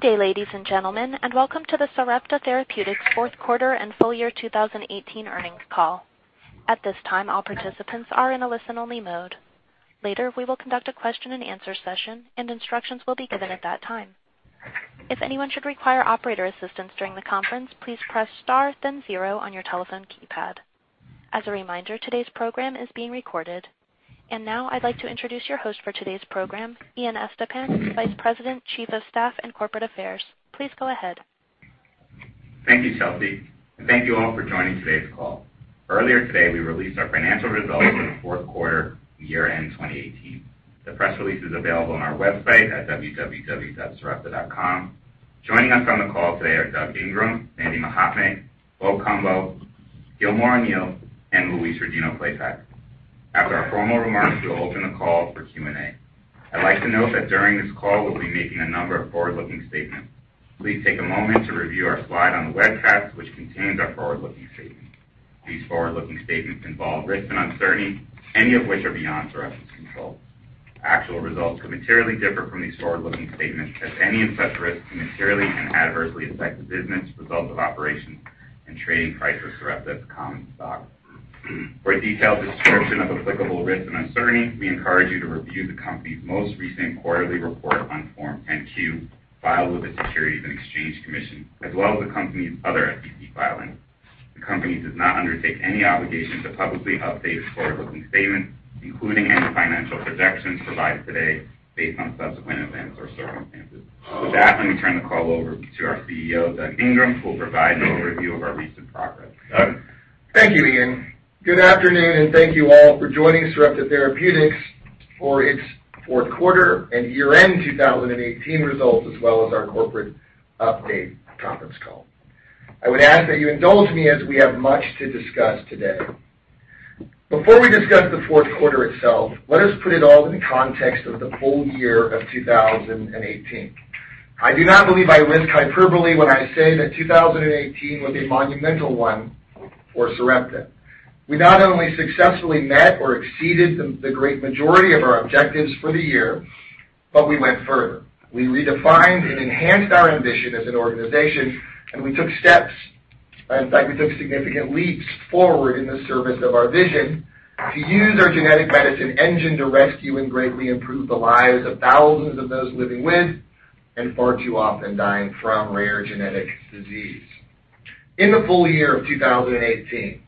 Good day, ladies and gentlemen, and welcome to the Sarepta Therapeutics fourth quarter and full year 2018 earnings call. At this time, all participants are in a listen-only mode. Later, we will conduct a question and answer session, and instructions will begin at that time. If anyone should require operator assistance during the conference, please press star then zero on your telephone keypad. As a reminder, today's program is being recorded. Now I'd like to introduce your host for today's program, Ian Estepan, Vice President, Chief of Staff and Corporate Affairs. Please go ahead. Thank you, Chelsea. Thank you all for joining today's call. Earlier today, we released our financial results for the fourth quarter and year-end 2018. The press release is available on our website at www.sarepta.com. Joining us on the call today are Doug Ingram, Sandy Mahatme, Bo Cumbo, Gilmore O'Neill, and Louise Rodino-Klapac. After our formal remarks, we'll open the call for Q&A. I'd like to note that during this call, we'll be making a number of forward-looking statements. Please take a moment to review our slide on the webcast, which contains our forward-looking statements. These forward-looking statements involve risks and uncertainties, any of which are beyond Sarepta's control. Actual results could materially differ from these forward-looking statements, as any of such risks can materially and adversely affect the business, results of operations, and trading price of Sarepta's common stock. For a detailed description of applicable risks and uncertainties, we encourage you to review the company's most recent quarterly report on Form 10-Q filed with the Securities and Exchange Commission, as well as the company's other SEC filings. The company does not undertake any obligation to publicly update its forward-looking statements, including any financial projections provided today, based on subsequent events or circumstances. With that, let me turn the call over to our CEO, Doug Ingram, who will provide an overview of our recent progress. Doug? Thank you, Ian. Good afternoon, and thank you all for joining Sarepta Therapeutics for its fourth quarter and year-end 2018 results, as well as our corporate update conference call. I would ask that you indulge me as we have much to discuss today. Before we discuss the fourth quarter itself, let us put it all in the context of the full year of 2018. I do not believe I risk hyperbole when I say that 2018 was a monumental one for Sarepta. We not only successfully met or exceeded the great majority of our objectives for the year, but we went further. We redefined and enhanced our ambition as an organization, and we took steps. In fact, we took significant leaps forward in the service of our vision to use our genetic medicine engine to rescue and greatly improve the lives of thousands of those living with, and far too often dying from, rare genetic disease. In the full year of 2018,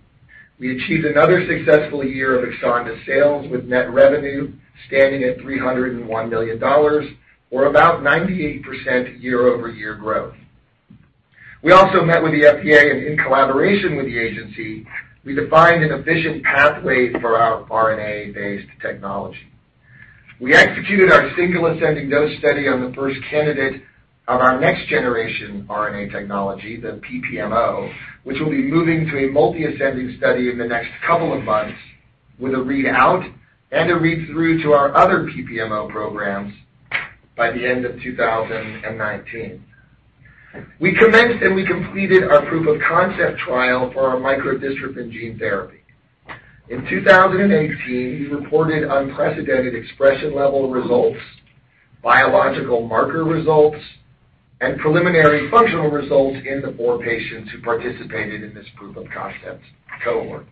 we achieved another successful year of EXONDYS sales, with net revenue standing at $301 million, or about 98% year-over-year growth. We also met with the FDA, and in collaboration with the agency, we defined an efficient pathway for our RNA-based technology. We executed our single ascending dose study on the first candidate of our next generation RNA technology, the PPMO, which will be moving to a multi-ascending study in the next couple of months with a readout and a read-through to our other PPMO programs by the end of 2019. We commenced and we completed our proof of concept trial for our microdystrophin gene therapy. In 2018, we reported unprecedented expression level results, biological marker results, and preliminary functional results in the four patients who participated in this proof of concept cohort.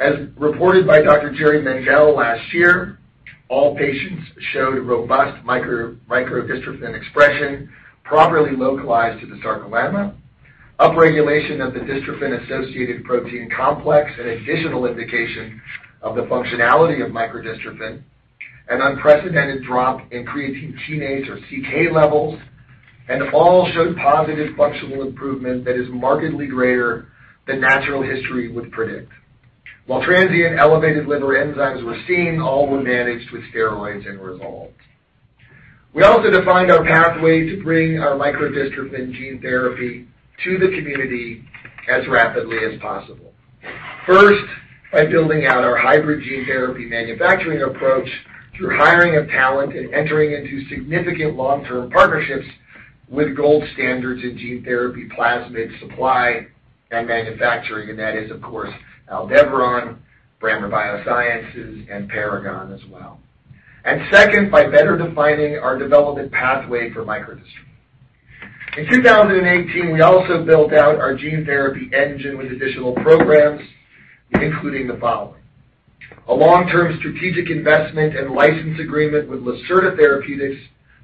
As reported by Dr. Jerry Mendell last year, all patients showed robust microdystrophin expression properly localized to the sarcolemma, upregulation of the dystrophin-associated protein complex, an additional indication of the functionality of microdystrophin, an unprecedented drop in creatine kinase or CK levels, and all showed positive functional improvement that is markedly greater than natural history would predict. While transient elevated liver enzymes were seen, all were managed with steroids and resolved. We also defined our pathway to bring our microdystrophin gene therapy to the community as rapidly as possible. First, by building out our hybrid gene therapy manufacturing approach through hiring of talent and entering into significant long-term partnerships with gold standards in gene therapy plasmid supply and manufacturing, and that is, of course, Aldevron, Brammer Biosciences, and Paragon as well. Second, by better defining our development pathway for microdystrophin. In 2018, we also built out our gene therapy engine with additional programs, including the following. A long-term strategic investment and license agreement with Lacerta Therapeutics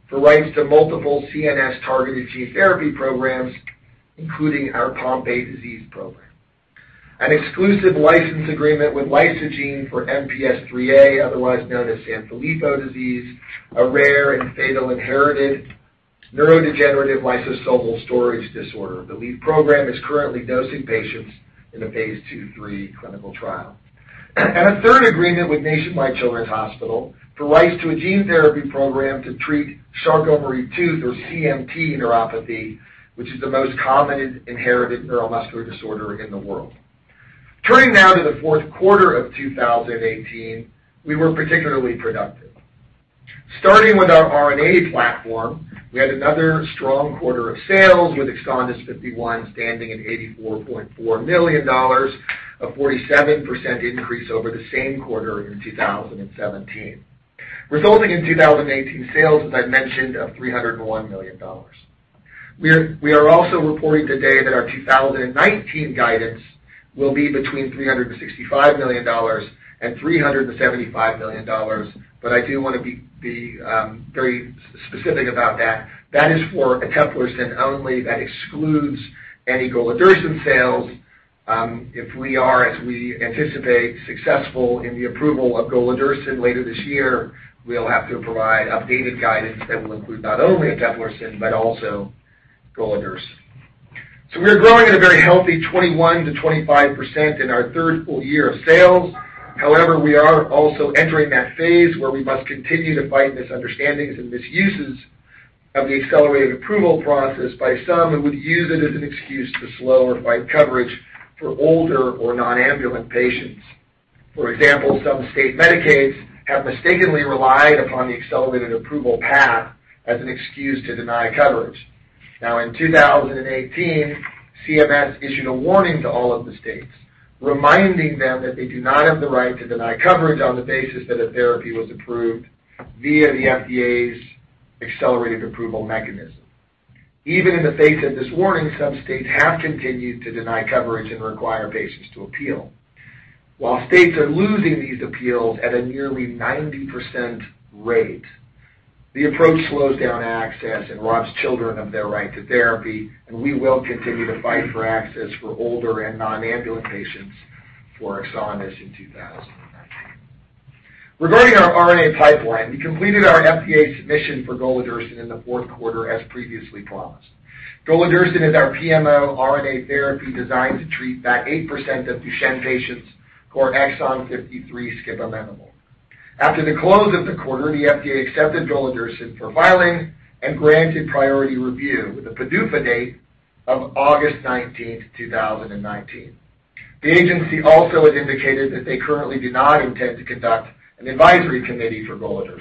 for rights to multiple CNS-targeted gene therapy programs, including our Pompe disease program. An exclusive license agreement with Lysogene for MPS IIIA, otherwise known as Sanfilippo syndrome, a rare and fatal inherited neurodegenerative lysosomal storage disorder. The lead program is currently dosing patients in a Phase II/III clinical trial. A third agreement with Nationwide Children's Hospital for rights to a gene therapy program to treat Charcot-Marie-Tooth or CMT neuropathy, which is the most common inherited neuromuscular disorder in the world. Turning now to the fourth quarter of 2018, we were particularly productive. Starting with our RNA platform, we had another strong quarter of sales, with EXONDYS 51 standing at $84.4 million, a 47% increase over the same quarter in 2017, resulting in 2018 sales, as I mentioned, of $301 million. We are also reporting today that our 2019 guidance will be between $365 million and $375 million. But I do want to be very specific about that. That is for eteplirsen only. That excludes any golodirsen sales. If we are, as we anticipate, successful in the approval of golodirsen later this year, we'll have to provide updated guidance that will include not only eteplirsen but also golodirsen. We are growing at a very healthy 21%-25% in our third full year of sales. However, we are also entering that phase where we must continue to fight misunderstandings and misuses of the accelerated approval process by some who would use it as an excuse to slow or fight coverage for older or non-ambulant patients. For example, some state Medicaid have mistakenly relied upon the accelerated approval path as an excuse to deny coverage. In 2018, CMS issued a warning to all of the states, reminding them that they do not have the right to deny coverage on the basis that a therapy was approved via the FDA's accelerated approval mechanism. Even in the face of this warning, some states have continued to deny coverage and require patients to appeal. While states are losing these appeals at a nearly 90% rate, the approach slows down access and robs children of their right to therapy, and we will continue to fight for access for older and non-ambulant patients for EXONDYS in 2019. Regarding our RNA pipeline, we completed our FDA submission for golodirsen in the fourth quarter as previously promised. Golodirsen is our PMO RNA therapy designed to treat that 8% of Duchenne patients who are exon 53 skip amendable. After the close of the quarter, the FDA accepted golodirsen for filing and granted priority review with a PDUFA date of August 19, 2019. The agency also has indicated that they currently do not intend to conduct an advisory committee for golodirsen.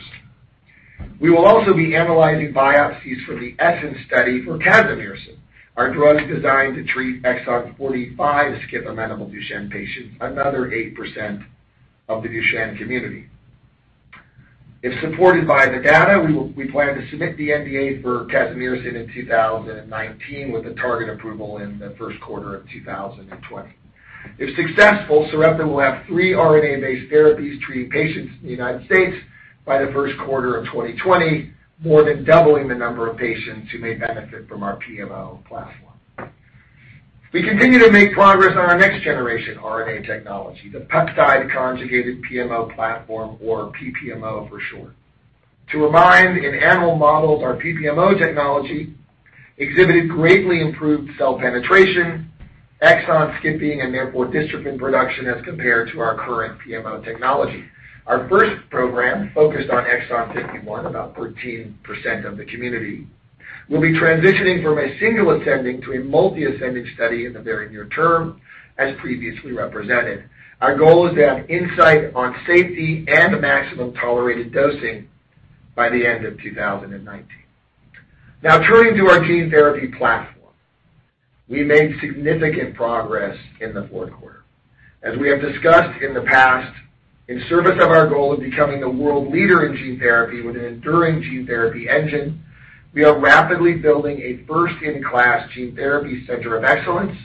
We will also be analyzing biopsies for the ESSENCE study for casimersen, our drug designed to treat exon 45 skip amendable Duchenne patients, another 8% of the Duchenne community. If supported by the data, we plan to submit the NDA for casimersen in 2019 with a target approval in the first quarter of 2020. If successful, Sarepta will have three RNA-based therapies treating patients in the United States by the first quarter of 2020, more than doubling the number of patients who may benefit from our PMO platform. We continue to make progress on our next-generation RNA technology, the peptide conjugated PMO platform, or PPMO for short. To remind, in animal models, our PPMO technology exhibited greatly improved cell penetration, exon skipping, and therefore dystrophin production as compared to our current PMO technology. Our first program focused on exon 51, about 13% of the community. We will be transitioning from a single-ascending to a multi-ascending study in the very near term, as previously represented. Our goal is to have insight on safety and maximum tolerated dosing by the end of 2019. Turning to our gene therapy platform. We made significant progress in the fourth quarter. As we have discussed in the past, in service of our goal of becoming a world leader in gene therapy with an enduring gene therapy engine, we are rapidly building a first-in-class Gene Therapy Center of Excellence,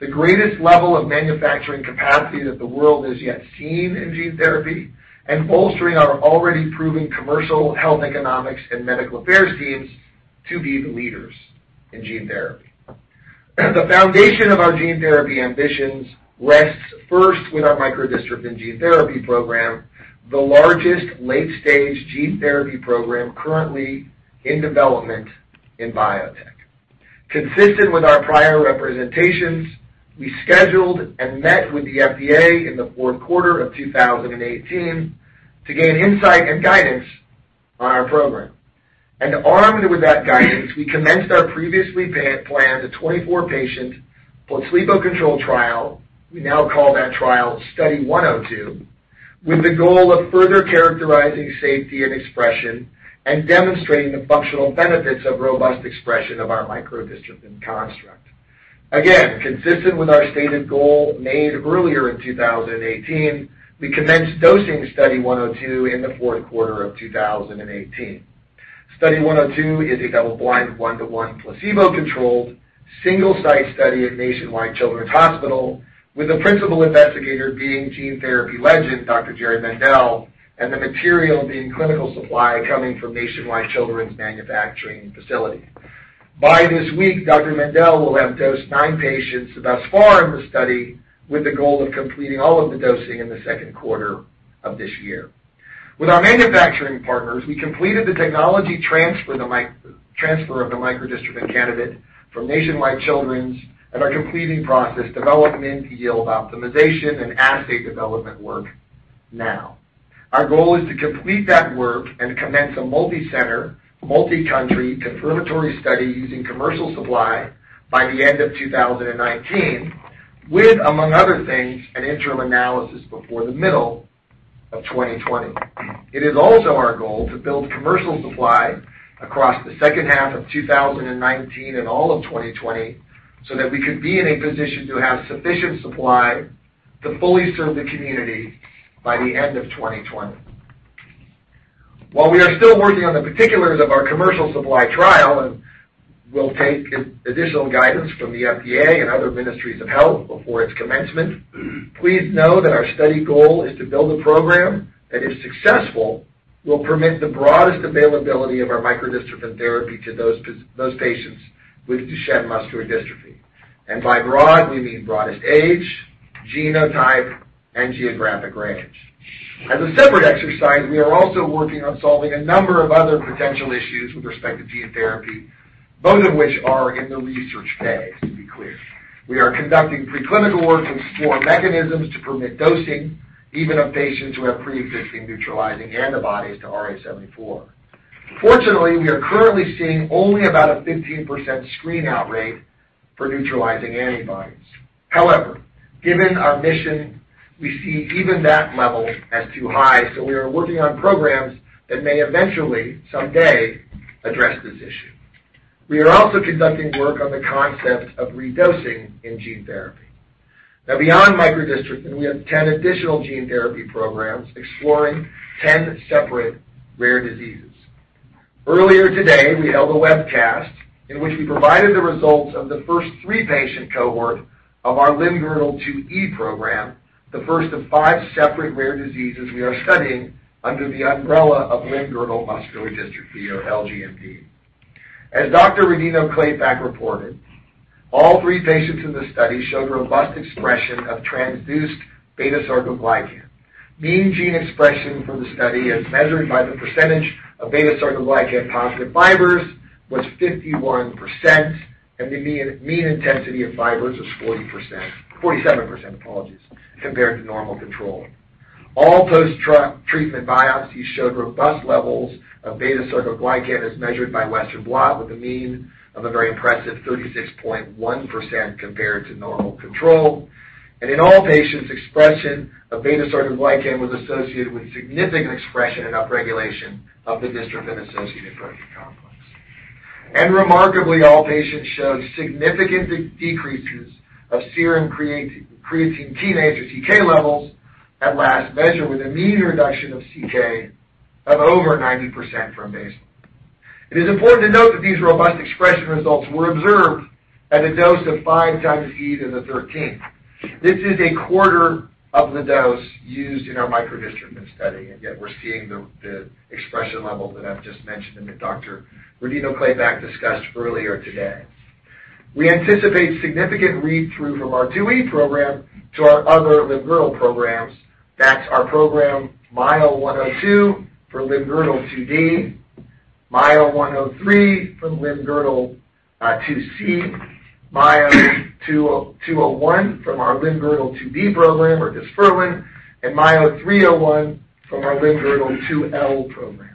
the greatest level of manufacturing capacity that the world has yet seen in gene therapy, and bolstering our already proven commercial health economics and medical affairs teams to be the leaders in gene therapy. The foundation of our gene therapy ambitions rests first with our microdystrophin gene therapy program, the largest late-stage gene therapy program currently in development in biotech. Consistent with our prior representations, we scheduled and met with the FDA in the fourth quarter of 2018 to gain insight and guidance on our program. Armed with that guidance, we commenced our previously planned 24-patient, placebo-controlled trial, we now call that trial Study 102, with the goal of further characterizing safety and expression and demonstrating the functional benefits of robust expression of our microdystrophin construct. Consistent with our stated goal made earlier in 2018, we commenced dosing Study 102 in the fourth quarter of 2018. Study 102 is a double-blind, one-to-one placebo-controlled, single-site study at Nationwide Children's Hospital, with the principal investigator being gene therapy legend, Dr. Jerry Mendell, and the material being clinical supply coming from Nationwide Children's manufacturing facility. By this week, Dr. Jerry Mendell will have dosed nine patients thus far in the study, with the goal of completing all of the dosing in the second quarter of this year. With our manufacturing partners, we completed the technology transfer of the microdystrophin candidate from Nationwide Children's and are completing process development and yield optimization and assay development work now. Our goal is to complete that work and commence a multi-center, multi-country confirmatory study using commercial supply by the end of 2019 with, among other things, an interim analysis before the middle of 2020. It is also our goal to build commercial supply across the second half of 2019 and all of 2020, so that we could be in a position to have sufficient supply to fully serve the community by the end of 2020. While we are still working on the particulars of our commercial supply trial, we'll take additional guidance from the FDA and other ministries of health before its commencement, please know that our study goal is to build a program that, if successful, will permit the broadest availability of our microdystrophin therapy to those patients with Duchenne muscular dystrophy. By broad, we mean broadest age, genotype, and geographic range. As a separate exercise, we are also working on solving a number of other potential issues with respect to gene therapy, both of which are in the research phase, to be clear. We are conducting preclinical work in four mechanisms to permit dosing, even of patients who have pre-existing neutralizing antibodies to RH74. Fortunately, we are currently seeing only about a 15% screen-out rate for neutralizing antibodies. However, given our mission, we see even that level as too high, we are working on programs that may eventually, someday, address this issue. We are also conducting work on the concept of redosing in gene therapy. Beyond microdystrophin, we have 10 additional gene therapy programs exploring 10 separate rare diseases. Earlier today, we held a webcast in which we provided the results of the first three-patient cohort of our limb-girdle 2E program, the first of five separate rare diseases we are studying under the umbrella of limb-girdle muscular dystrophy, or LGMD. As Dr. Rodino-Klapac reported, all three patients in the study showed robust expression of transduced beta-sarcoglycan. Mean gene expression for the study, as measured by the percentage of beta-sarcoglycan-positive fibers, was 51%, and the mean intensity of fibers was 47%, apologies, compared to normal control. All post-treatment biopsies showed robust levels of beta-sarcoglycan as measured by Western blot, with a mean of a very impressive 36.1% compared to normal control. In all patients, expression of beta-sarcoglycan was associated with significant expression and upregulation of the dystrophin-associated protein complex. Remarkably, all patients showed significant decreases of serum creatine kinase or CK levels at last measure, with a mean reduction of CK of over 90% from baseline. It is important to note that these robust expression results were observed at a dose of five times E to the 13th. This is a quarter of the dose used in our microdystrophin study, yet we're seeing the expression level that I've just mentioned and that Dr. Rodino-Klapac discussed earlier today. We anticipate significant read-through from our 2E program to our other limb-girdle programs. That's our program MYO-102 for limb-girdle 2D, MYO-103 for limb-girdle 2C, MYO-201 from our limb-girdle 2D program, or dysferlin, MYO-301 from our limb-girdle 2L program.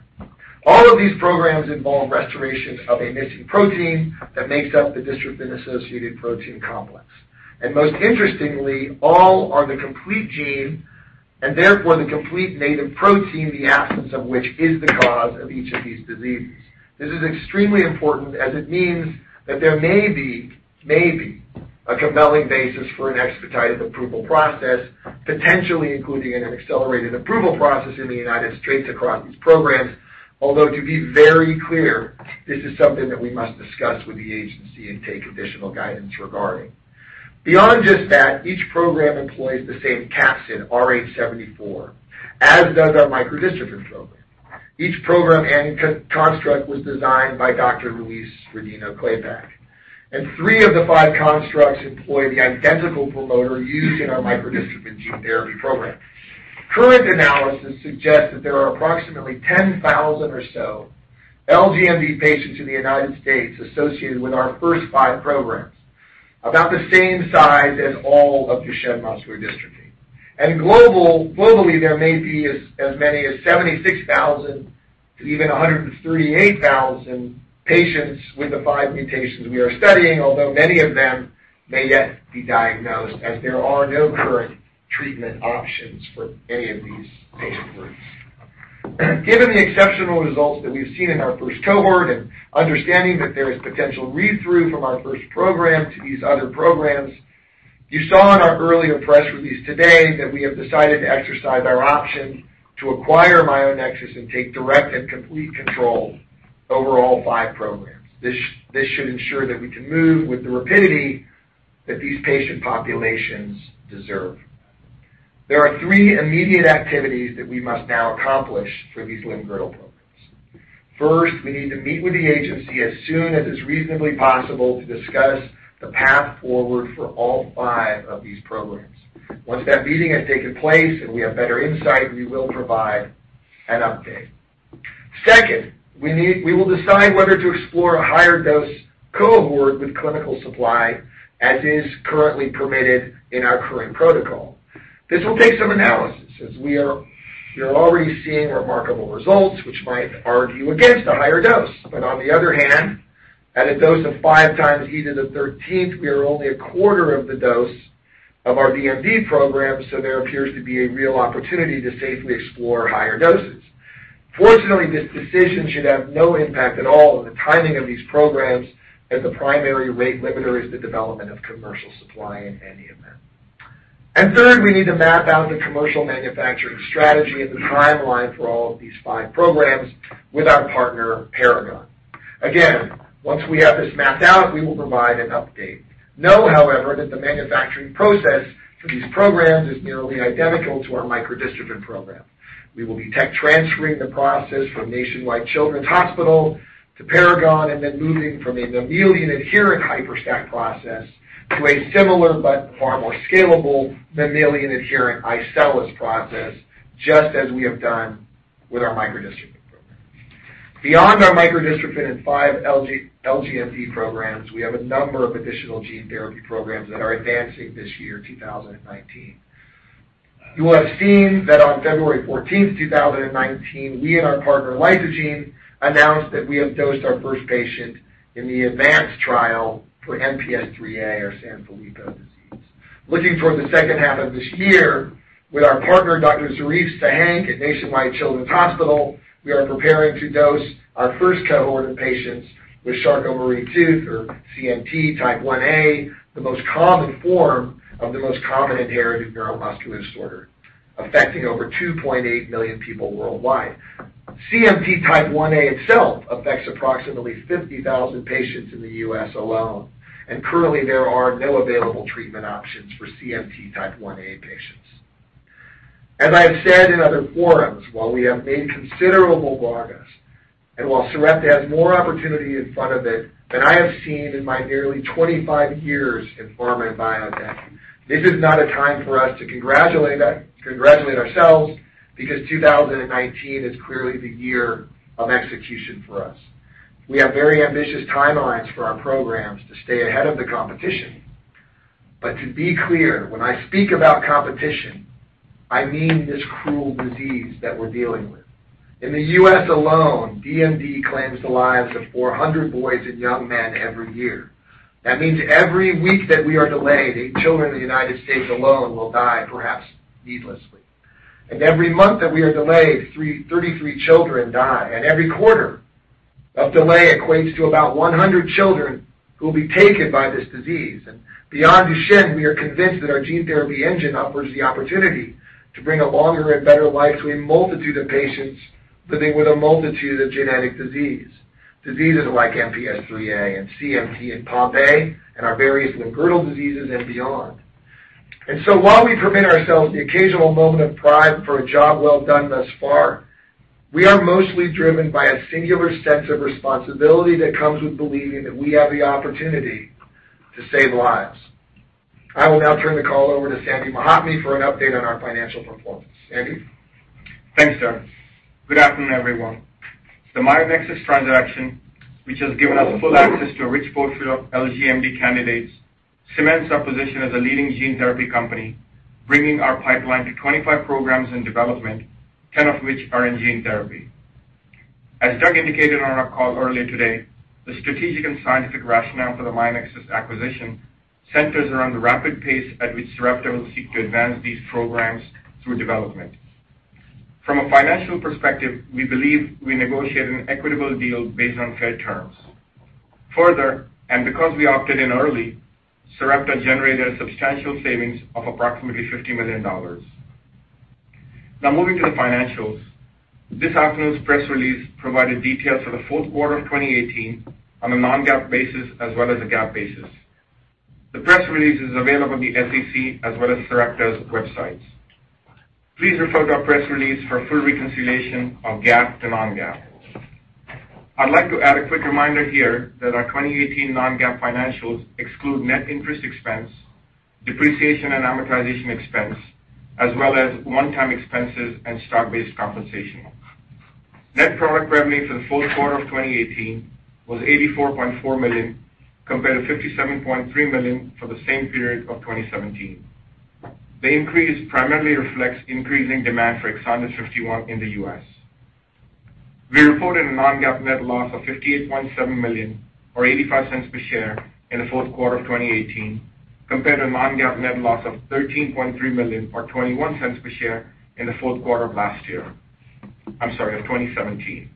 All of these programs involve restoration of a missing protein that makes up the dystrophin-associated protein complex. Most interestingly, all are the complete gene, therefore the complete native protein, the absence of which is the cause of each of these diseases. This is extremely important as it means that there may be a compelling basis for an expedited approval process, potentially including an accelerated approval process in the U.S. across these programs. Although, to be very clear, this is something that we must discuss with the agency and take additional guidance regarding. Beyond just that, each program employs the same capsid, RH74, as does our microdystrophin program. Each program and construct was designed by Dr. Louise Rodino-Klapac. Three of the five constructs employ the identical promoter used in our microdystrophin gene therapy program. Current analysis suggests that there are approximately 10,000 or so LGMD patients in the U.S. associated with our first five programs, about the same size as all of Duchenne muscular dystrophy. Globally, there may be as many as 76,000-138,000 patients with the five mutations we are studying, although many of them may yet be diagnosed as there are no current treatment options for any of these patient groups. Given the exceptional results that we've seen in our first cohort and understanding that there is potential read-through from our first program to these other programs, you saw in our earlier press release today that we have decided to exercise our option to acquire Myonexus and take direct and complete control over all five programs. This should ensure that we can move with the rapidity that these patient populations deserve. There are three immediate activities that we must now accomplish for these limb-girdle programs. First, we need to meet with the agency as soon as is reasonably possible to discuss the path forward for all five of these programs. Once that meeting has taken place and we have better insight, we will provide an update. Second, we will decide whether to explore a higher dose cohort with clinical supply, as is currently permitted in our current protocol. This will take some analysis as we are already seeing remarkable results which might argue against a higher dose. On the other hand. At a dose of five times E to the 13th, we are only a quarter of the dose of our DMD program, so there appears to be a real opportunity to safely explore higher doses. Fortunately, this decision should have no impact at all on the timing of these programs, as the primary rate limiter is the development of commercial supply in any event. Third, we need to map out the commercial manufacturing strategy and the timeline for all of these 5 programs with our partner, Paragon. Again, once we have this mapped out, we will provide an update. Know, however, that the manufacturing process for these programs is nearly identical to our microdystrophin program. We will be tech transferring the process from Nationwide Children's Hospital to Paragon, and then moving from a mammalian adherent HYPERStack process to a similar but far more scalable mammalian adherent iCELLis process, just as we have done with our microdystrophin program. Beyond our microdystrophin and five LGMD programs, we have a number of additional gene therapy programs that are advancing this year, 2019. You will have seen that on February 14th, 2019, we and our partner, Lysogene, announced that we have dosed our first patient in the advanced trial for MPS IIIA, or Sanfilippo syndrome. Looking toward the second half of this year, with our partner, Dr. Zarife Sahenk at Nationwide Children's Hospital, we are preparing to dose our first cohort of patients with Charcot-Marie-Tooth, or CMT Type 1A, the most common form of the most common inherited neuromuscular disorder, affecting over 2.8 million people worldwide. CMT Type 1A itself affects approximately 50,000 patients in the U.S. alone. Currently there are no available treatment options for CMT Type 1A patients. As I have said in other forums, while we have made considerable progress, while Sarepta has more opportunity in front of it than I have seen in my nearly 25 years in pharma and biotech, this is not a time for us to congratulate ourselves, because 2019 is clearly the year of execution for us. We have very ambitious timelines for our programs to stay ahead of the competition. To be clear, when I speak about competition, I mean this cruel disease that we're dealing with. In the U.S. alone, DMD claims the lives of 400 boys and young men every year. That means every week that we are delayed, eight children in the United States alone will die perhaps needlessly. Every month that we are delayed, 33 children die. Every quarter of delay equates to about 100 children who will be taken by this disease. Beyond Duchenne, we are convinced that our gene therapy engine offers the opportunity to bring a longer and better life to a multitude of patients living with a multitude of genetic disease. Diseases like MPS IIIA and CMT and Pompe, and our various limb-girdle diseases and beyond. While we permit ourselves the occasional moment of pride for a job well done thus far, we are mostly driven by a singular sense of responsibility that comes with believing that we have the opportunity to save lives. I will now turn the call over to Sandy Mahatme for an update on our financial performance. Sandy? Thanks, Doug. Good afternoon, everyone. The Myonexus transaction, which has given us full access to a rich portfolio of LGMD candidates, cements our position as a leading gene therapy company, bringing our pipeline to 25 programs in development, 10 of which are in gene therapy. As Doug indicated on our call earlier today, the strategic and scientific rationale for the Myonexus acquisition centers around the rapid pace at which Sarepta will seek to advance these programs through development. From a financial perspective, we believe we negotiated an equitable deal based on fair terms. Further, because we opted in early, Sarepta generated a substantial savings of approximately $50 million. Moving to the financials. This afternoon's press release provided details for the fourth quarter of 2018 on a non-GAAP basis as well as a GAAP basis. The press release is available on the SEC as well as Sarepta's websites. Please refer to our press release for a full reconciliation of GAAP to non-GAAP. I'd like to add a quick reminder here that our 2018 non-GAAP financials exclude net interest expense, depreciation and amortization expense, as well as one-time expenses and stock-based compensation. Net product revenue for the fourth quarter of 2018 was $84.4 million, compared to $57.3 million for the same period of 2017. The increase primarily reflects increasing demand for EXONDYS 51 in the U.S. We reported a non-GAAP net loss of $58.7 million, or $0.85 per share in the fourth quarter of 2018, compared to non-GAAP net loss of $13.3 million, or $0.21 per share in the fourth quarter of 2017.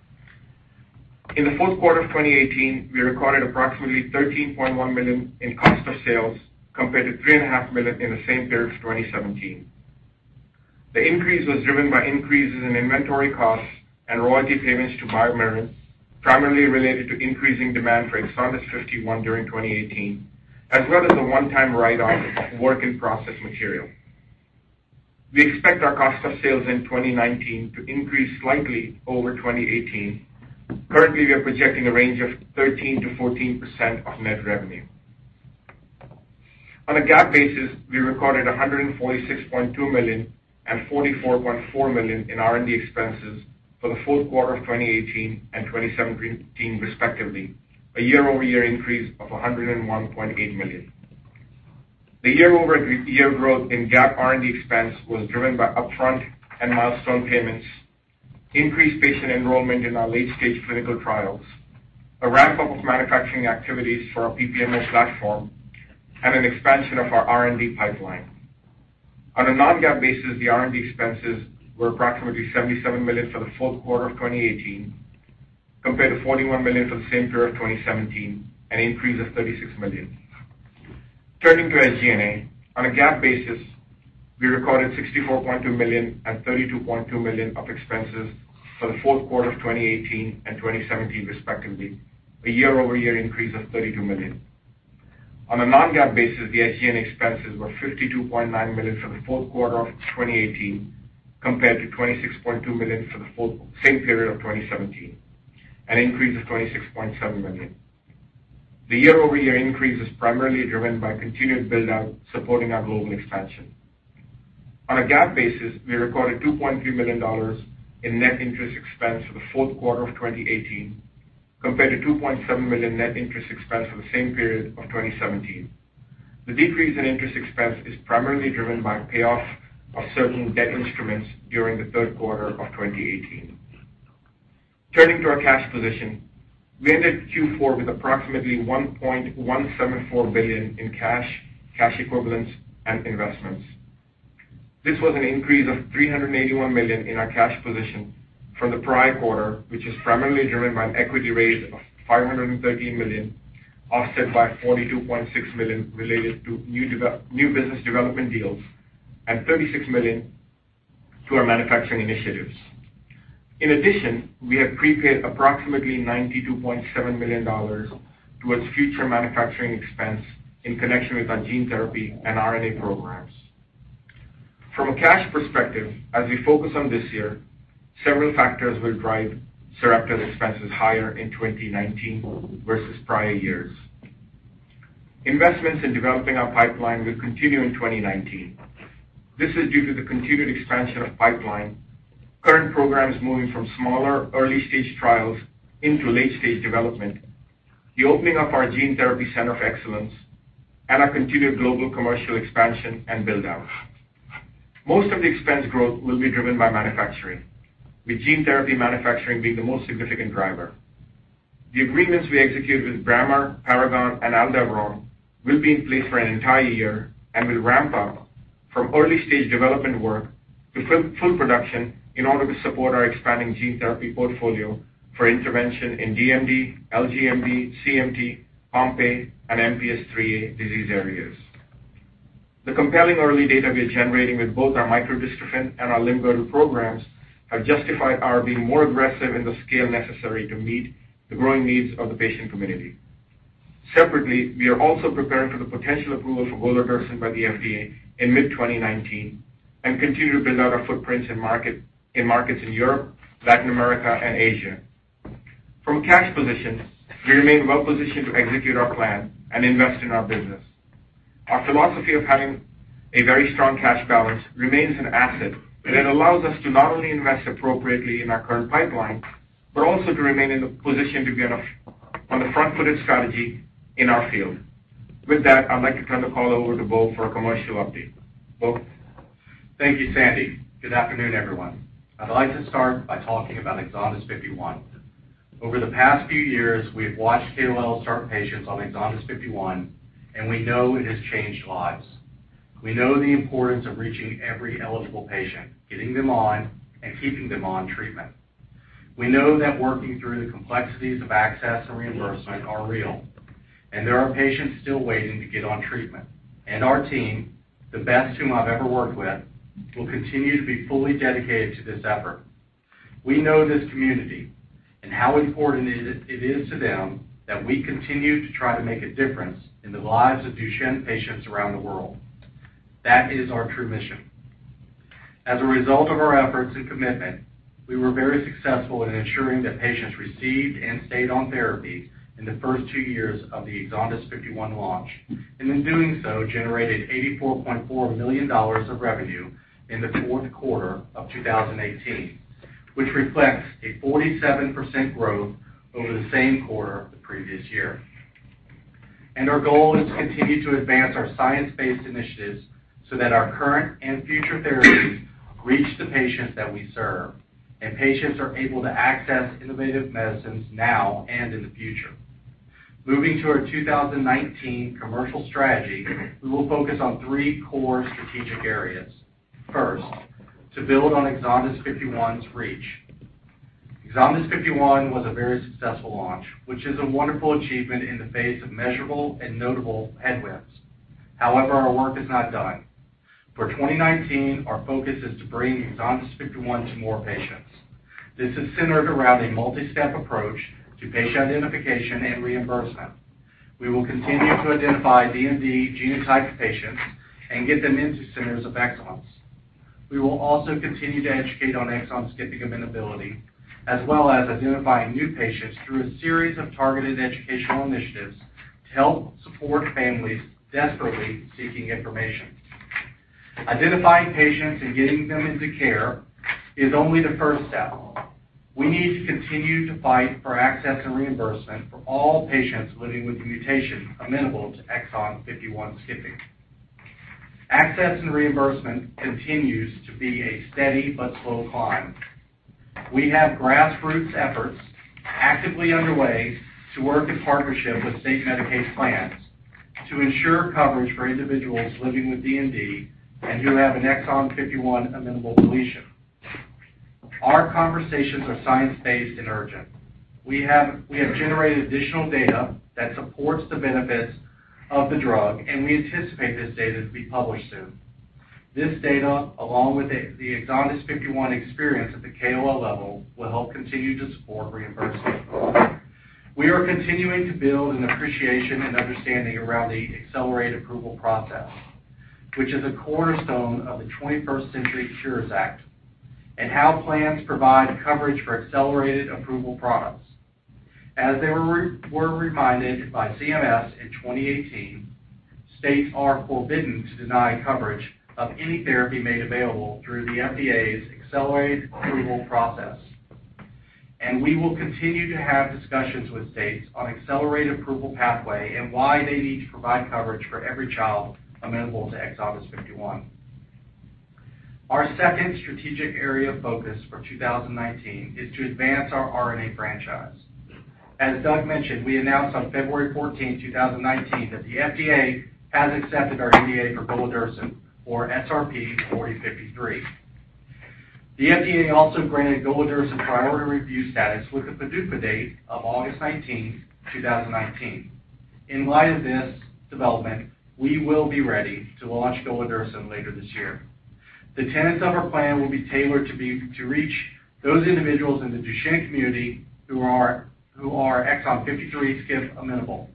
In the fourth quarter of 2018, we recorded approximately $13.1 million in cost of sales, compared to $3.5 million in the same period for 2017. The increase was driven by increases in inventory costs and royalty payments to BioMarin, primarily related to increasing demand for EXONDYS 51 during 2018, as well as a one-time write-off of work in process material. We expect our cost of sales in 2019 to increase slightly over 2018. Currently, we are projecting a range of 13%-14% of net revenue. On a GAAP basis, we recorded $146.2 million and $44.4 million in R&D expenses for the fourth quarter of 2018 and 2017 respectively, a year-over-year increase of $101.8 million. The year-over-year growth in GAAP R&D expense was driven by upfront and milestone payments, increased patient enrollment in our late-stage clinical trials, a ramp-up of manufacturing activities for our PPMO platform, and an expansion of our R&D pipeline. On a non-GAAP basis, the R&D expenses were approximately $77 million for the fourth quarter of 2018, compared to $41 million for the same period of 2017, an increase of $36 million. Turning to SG&A. On a GAAP basis, we recorded $64.2 million and $32.2 million of expenses for the fourth quarter of 2018 and 2017 respectively, a year-over-year increase of $32 million. On a non-GAAP basis, the SG&A expenses were $52.9 million for the fourth quarter of 2018, compared to $26.2 million for the same period of 2017, an increase of $26.7 million. The year-over-year increase is primarily driven by continued build-out supporting our global expansion. On a GAAP basis, we recorded $2.3 million in net interest expense for the fourth quarter of 2018, compared to $2.7 million net interest expense for the same period of 2017. The decrease in interest expense is primarily driven by payoff of certain debt instruments during the third quarter of 2018. Turning to our cash position. We ended Q4 with approximately $1.174 billion in cash equivalents, and investments. This was an increase of $381 million in our cash position from the prior quarter, which is primarily driven by an equity raise of $513 million, offset by $42.6 million related to new business development deals and $36 million to our manufacturing initiatives. In addition, we have prepaid approximately $92.7 million towards future manufacturing expense in connection with our gene therapy and RNA programs. From a cash perspective, as we focus on this year, several factors will drive Sarepta's expenses higher in 2019 versus prior years. Investments in developing our pipeline will continue in 2019. This is due to the continued expansion of pipeline, current programs moving from smaller early-stage trials into late-stage development, the opening of our Gene Therapy Center of Excellence, and our continued global commercial expansion and build-out. Most of the expense growth will be driven by manufacturing, with gene therapy manufacturing being the most significant driver. The agreements we execute with Brammer, Paragon, and Aldevron will be in place for an entire year and will ramp up from early-stage development work to full production in order to support our expanding gene therapy portfolio for intervention in DMD, LGMD, CMT, Pompe, and MPS III disease areas. The compelling early data we are generating with both our microdystrophin and our limb-girdle programs have justified our being more aggressive in the scale necessary to meet the growing needs of the patient community. Separately, we are also preparing for the potential approval for golodirsen by the FDA in mid-2019 and continue to build out our footprints in markets in Europe, Latin America, and Asia. From a cash position, we remain well-positioned to execute our plan and invest in our business. Our philosophy of having a very strong cash balance remains an asset, and it allows us to not only invest appropriately in our current pipeline, but also to remain in the position to be on the front-footed strategy in our field. With that, I'd like to turn the call over to Bo for a commercial update. Bo? Thank you, Sandy. Good afternoon, everyone. I'd like to start by talking about EXONDYS 51. Over the past few years, we have watched KOL start patients on EXONDYS 51, and we know it has changed lives. We know the importance of reaching every eligible patient, getting them on, and keeping them on treatment. We know that working through the complexities of access and reimbursement are real, and there are patients still waiting to get on treatment. Our team, the best team I've ever worked with, will continue to be fully dedicated to this effort. We know this community and how important it is to them that we continue to try to make a difference in the lives of Duchenne patients around the world. That is our true mission. As a result of our efforts and commitment, we were very successful in ensuring that patients received and stayed on therapy in the first two years of the EXONDYS 51 launch, and in doing so, generated $84.4 million of revenue in the fourth quarter of 2018, which reflects a 47% growth over the same quarter of the previous year. Our goal is to continue to advance our science-based initiatives so that our current and future therapies reach the patients that we serve, and patients are able to access innovative medicines now and in the future. Moving to our 2019 commercial strategy, we will focus on three core strategic areas. First, to build on EXONDYS 51's reach. EXONDYS 51 was a very successful launch, which is a wonderful achievement in the face of measurable and notable headwinds. Our work is not done. For 2019, our focus is to bring EXONDYS 51 to more patients. This is centered around a multi-step approach to patient identification and reimbursement. We will continue to identify DMD genotype patients and get them into centers of excellence. We will also continue to educate on exon-skipping amenability, as well as identifying new patients through a series of targeted educational initiatives to help support families desperately seeking information. Identifying patients and getting them into care is only the first step. We need to continue to fight for access and reimbursement for all patients living with a mutation amenable to exon 51 skipping. Access and reimbursement continues to be a steady but slow climb. We have grassroots efforts actively underway to work in partnership with state Medicaid plans to ensure coverage for individuals living with DMD and who have an exon 51 amenable deletion. Our conversations are science-based and urgent. We have generated additional data that supports the benefits of the drug, and we anticipate this data to be published soon. This data, along with the EXONDYS 51 experience at the KOL level, will help continue to support reimbursement. We are continuing to build an appreciation and understanding around the accelerated approval process, which is a cornerstone of the 21st Century Cures Act, and how plans provide coverage for accelerated approval products. As they were reminded by CMS in 2018, states are forbidden to deny coverage of any therapy made available through the FDA's accelerated approval process, and we will continue to have discussions with states on accelerated approval pathway and why they need to provide coverage for every child amenable to EXONDYS 51. Our second strategic area of focus for 2019 is to advance our RNA franchise. As Doug mentioned, we announced on February 14, 2019, that the FDA has accepted our NDA for golodirsen or SRP-4053. The FDA also granted golodirsen priority review status with a PDUFA date of August 19, 2019. In light of this development, we will be ready to launch golodirsen later this year. The tenets of our plan will be tailored to reach those individuals in the Duchenne community who are exon 53 skip amenable.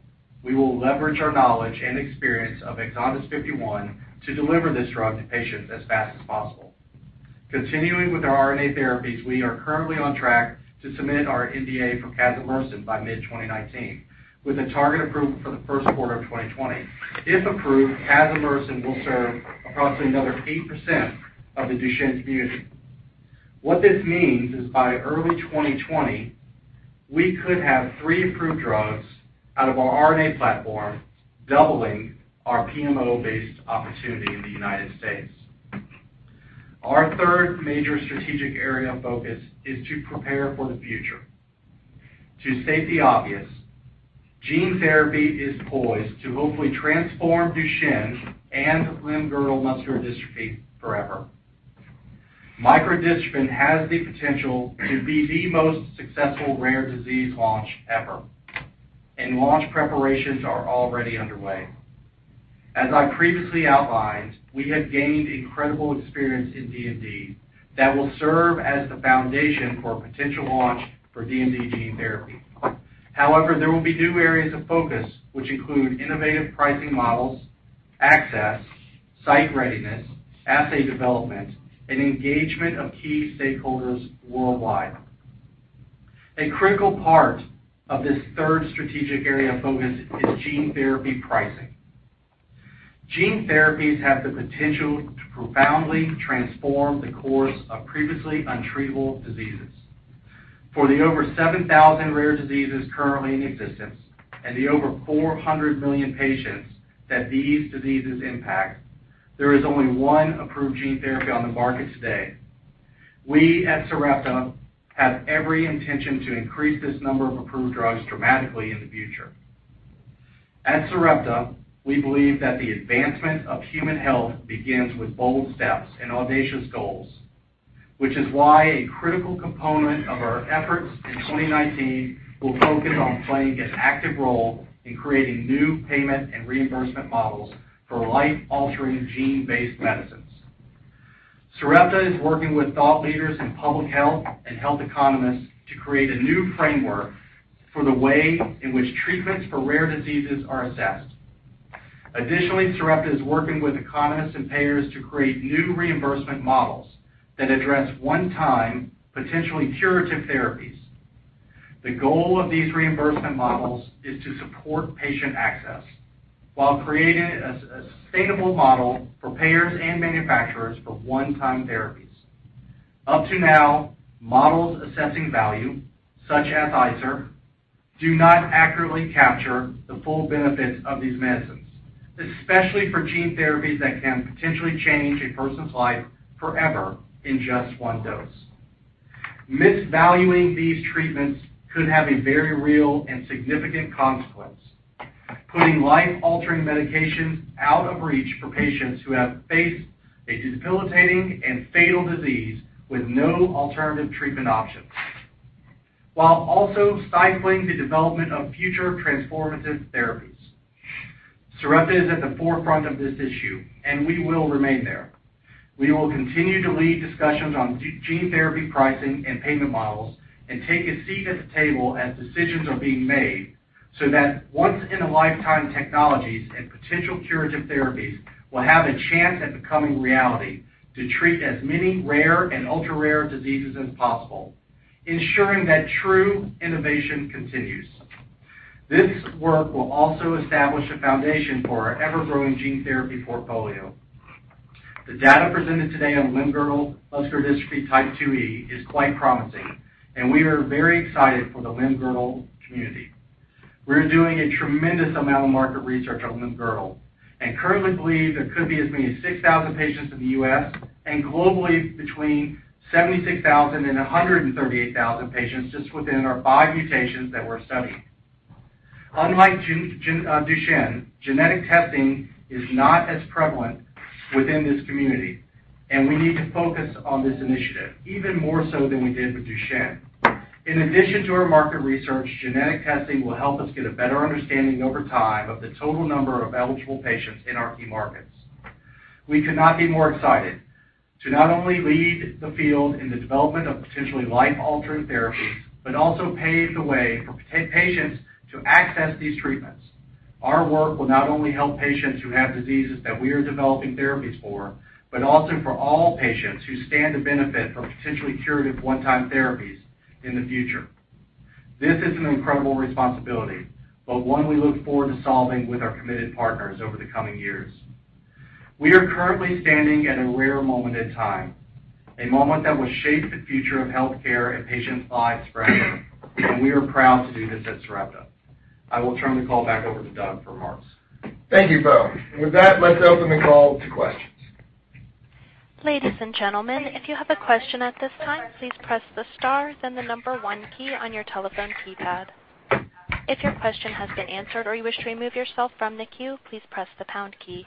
We will leverage our knowledge and experience of EXONDYS 51 to deliver this drug to patients as fast as possible. Continuing with our RNA therapies, we are currently on track to submit our NDA for casimersen by mid-2019, with a target approval for the first quarter of 2020. If approved, casimersen will serve approximately another 8% of the Duchenne community. What this means is by early 2020, we could have three approved drugs out of our RNA platform, doubling our PMO-based opportunity in the U.S. Our third major strategic area of focus is to prepare for the future. To state the obvious, gene therapy is poised to hopefully transform Duchenne and limb-girdle muscular dystrophy forever. Microdystrophin has the potential to be the most successful rare disease launch ever. Launch preparations are already underway. As I previously outlined, we have gained incredible experience in DMD that will serve as the foundation for a potential launch for DMD gene therapy. However, there will be new areas of focus which include innovative pricing models, access, site readiness, assay development, and engagement of key stakeholders worldwide. A critical part of this third strategic area of focus is gene therapy pricing. Gene therapies have the potential to profoundly transform the course of previously untreatable diseases. For the over 7,000 rare diseases currently in existence and the over 400 million patients that these diseases impact, there is only one approved gene therapy on the market today. We at Sarepta have every intention to increase this number of approved drugs dramatically in the future. At Sarepta, we believe that the advancement of human health begins with bold steps and audacious goals, which is why a critical component of our efforts in 2019 will focus on playing an active role in creating new payment and reimbursement models for life-altering gene-based medicines. Sarepta is working with thought leaders in public health and health economists to create a new framework for the way in which treatments for rare diseases are assessed. Additionally, Sarepta is working with economists and payers to create new reimbursement models that address one-time, potentially curative therapies. The goal of these reimbursement models is to support patient access while creating a sustainable model for payers and manufacturers for one-time therapies. Up to now, models assessing value, such as ICER, do not accurately capture the full benefits of these medicines, especially for gene therapies that can potentially change a person's life forever in just one dose. Misvaluing these treatments could have a very real and significant consequence, putting life-altering medications out of reach for patients who have faced a debilitating and fatal disease with no alternative treatment options, while also stifling the development of future transformative therapies. Sarepta is at the forefront of this issue. We will remain there. We will continue to lead discussions on gene therapy pricing and payment models and take a seat at the table as decisions are being made so that once in a lifetime technologies and potential curative therapies will have a chance at becoming reality to treat as many rare and ultra-rare diseases as possible, ensuring that true innovation continues. This work will also establish a foundation for our ever-growing gene therapy portfolio. The data presented today on limb-girdle muscular dystrophy type 2E is quite promising. We are very excited for the limb-girdle community. We're doing a tremendous amount of market research on limb-girdle. Currently believe there could be as many as 6,000 patients in the U.S. and globally between 76,000 and 138,000 patients just within our five mutations that we're studying. Unlike Duchenne, genetic testing is not as prevalent within this community, and we need to focus on this initiative even more so than we did with Duchenne. In addition to our market research, genetic testing will help us get a better understanding over time of the total number of eligible patients in our key markets. We could not be more excited to not only lead the field in the development of potentially life-altering therapies, but also pave the way for patients to access these treatments. Our work will not only help patients who have diseases that we are developing therapies for, but also for all patients who stand to benefit from potentially curative one-time therapies in the future. This is an incredible responsibility, but one we look forward to solving with our committed partners over the coming years. We are currently standing at a rare moment in time, a moment that will shape the future of healthcare and patients' lives forever, and we are proud to do this at Sarepta. I will turn the call back over to Doug for remarks. Thank you, Bo. With that, let's open the call to questions. Ladies and gentlemen, if you have a question at this time, please press the star, then the number one key on your telephone keypad. If your question has been answered or you wish to remove yourself from the queue, please press the pound key.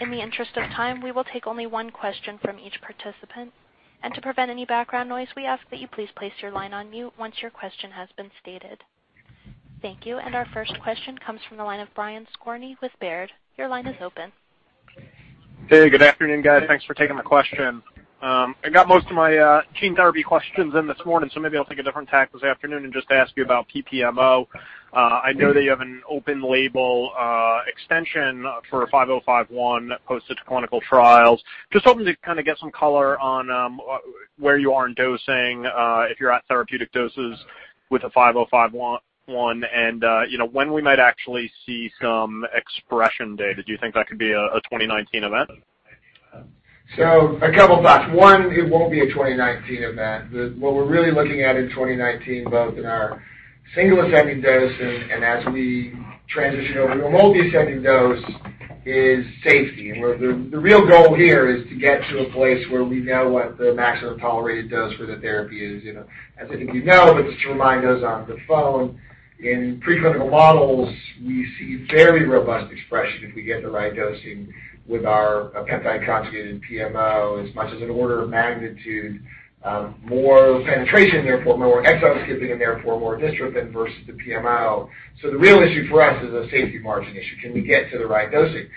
In the interest of time, we will take only one question from each participant. To prevent any background noise, we ask that you please place your line on mute once your question has been stated. Thank you. Our first question comes from the line of Brian Skorney with Baird. Your line is open. Hey, good afternoon, guys. Thanks for taking my question. I got most of my gene therapy questions in this morning, maybe I'll take a different tack this afternoon and just ask you about PPMO. I know that you have an open label extension for SRP-5051 posted to clinical trials. Just hoping to get some color on where you are in dosing, if you're at therapeutic doses with a SRP-5051, and when we might actually see some expression data. Do you think that could be a 2019 event? A couple thoughts. One, it won't be a 2019 event. What we're really looking at in 2019, both in our single ascending dose and as we transition over to a multi-ascending dose, is safety. The real goal here is to get to a place where we know what the maximum tolerated dose for the therapy is. As many of you know, but just to remind those on the phone, in preclinical models, we see very robust expression if we get the right dosing with our peptide conjugated PMO, as much as an order of magnitude, more penetration, therefore more exon skipping and therefore more dystrophin versus the PMO. The real issue for us is a safety margin issue. Can we get to the right dosing?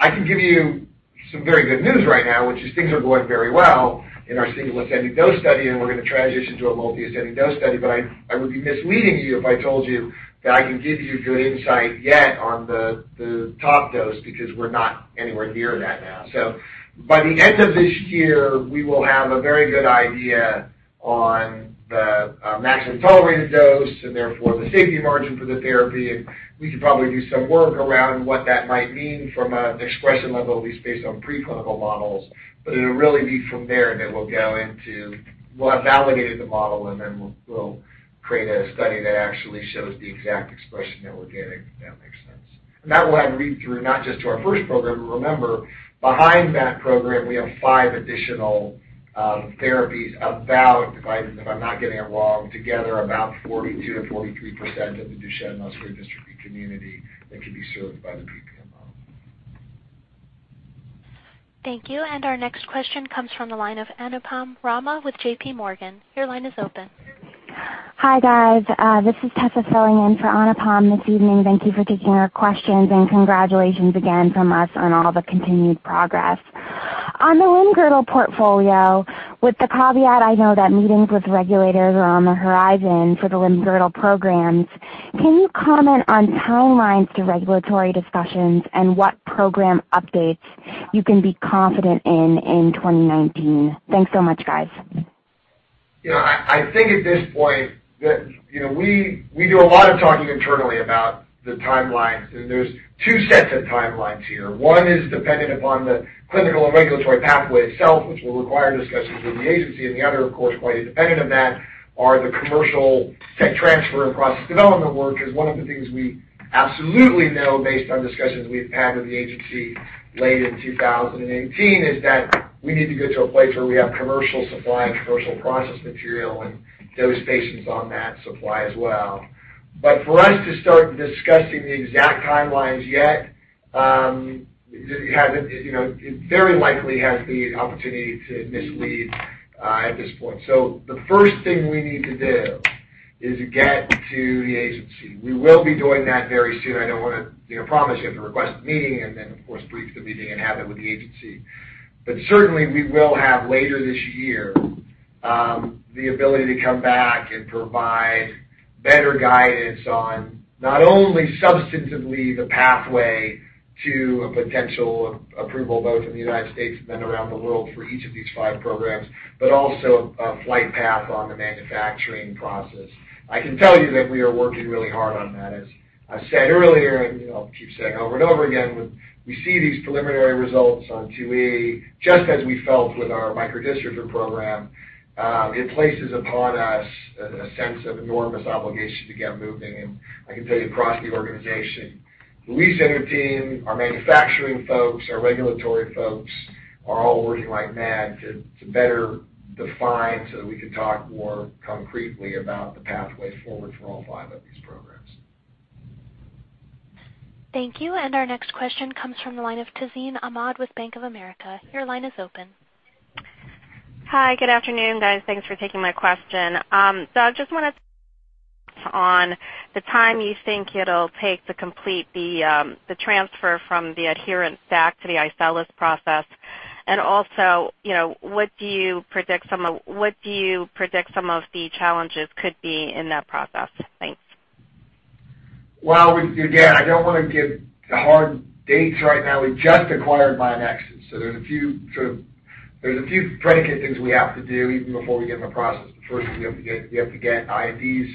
I can give you some very good news right now, which is things are going very well in our single ascending dose study, and we're going to transition to a multi-ascending dose study. I would be misleading you if I told you that I can give you good insight yet on the top dose, because we're not anywhere near that now. By the end of this year, we will have a very good idea on the maximum tolerated dose and therefore the safety margin for the therapy, and we could probably do some work around what that might mean from an expression level, at least based on pre-clinical models. It'll really be from there that we'll have validated the model, and then we'll create a study that actually shows the exact expression that we're getting, if that makes sense. That will read through not just to our first program, but remember, behind that program, we have five additional therapies about, if I'm not getting it wrong, together, about 42%-43% of the Duchenne muscular dystrophy community that could be served by the PPMO. Thank you. Our next question comes from the line of Anupam Rama with JPMorgan. Your line is open. Hi, guys. This is Tessa filling in for Anupam this evening. Thank you for taking our questions, congratulations again from us on all the continued progress. On the limb-girdle portfolio, with the caveat, I know that meetings with regulators are on the horizon for the limb-girdle programs. Can you comment on timelines to regulatory discussions and what program updates you can be confident in 2019? Thanks so much, guys. I think at this point that we do a lot of talking internally about the timelines, there's two sets of timelines here. One is dependent upon the clinical and regulatory pathway itself, which will require discussions with the agency. The other, of course, quite independent of that, are the commercial tech transfer and process development work. One of the things we absolutely know based on discussions we've had with the agency late in 2018 is that we need to get to a place where we have commercial supply and commercial process material and dose patients on that supply as well. For us to start discussing the exact timelines yet, it very likely has the opportunity to mislead at this point. The first thing we need to do is get to the agency. We will be doing that very soon. I don't want to promise you, have to request the meeting and then, of course, brief the meeting and have it with the agency. Certainly, we will have later this year, the ability to come back and provide better guidance on not only substantively the pathway to a potential approval both in the United States and then around the world for each of these five programs, but also a flight path on the manufacturing process. I can tell you that we are working really hard on that. As I said earlier, I'll keep saying over and over again, when we see these preliminary results on 2A, just as we felt with our microdystrophin program, it places upon us a sense of enormous obligation to get moving. I can tell you across the organization, the Gene Therapy Center of Excellence team, our manufacturing folks, our regulatory folks, are all working like mad to better define so that we can talk more concretely about the pathway forward for all five of these programs. Thank you. Our next question comes from the line of Tazeen Ahmad with Bank of America. Your line is open. Hi, good afternoon, guys. Thanks for taking my question. I just wanted on the time you think it'll take to complete the transfer from the HYPERStack to the iCELLis process. Also, what do you predict some of the challenges could be in that process? Thanks. Well, again, I don't want to give hard dates right now. We just acquired Myonexus, there's a few predicate things we have to do even before we get in the process. First, we have to get INDs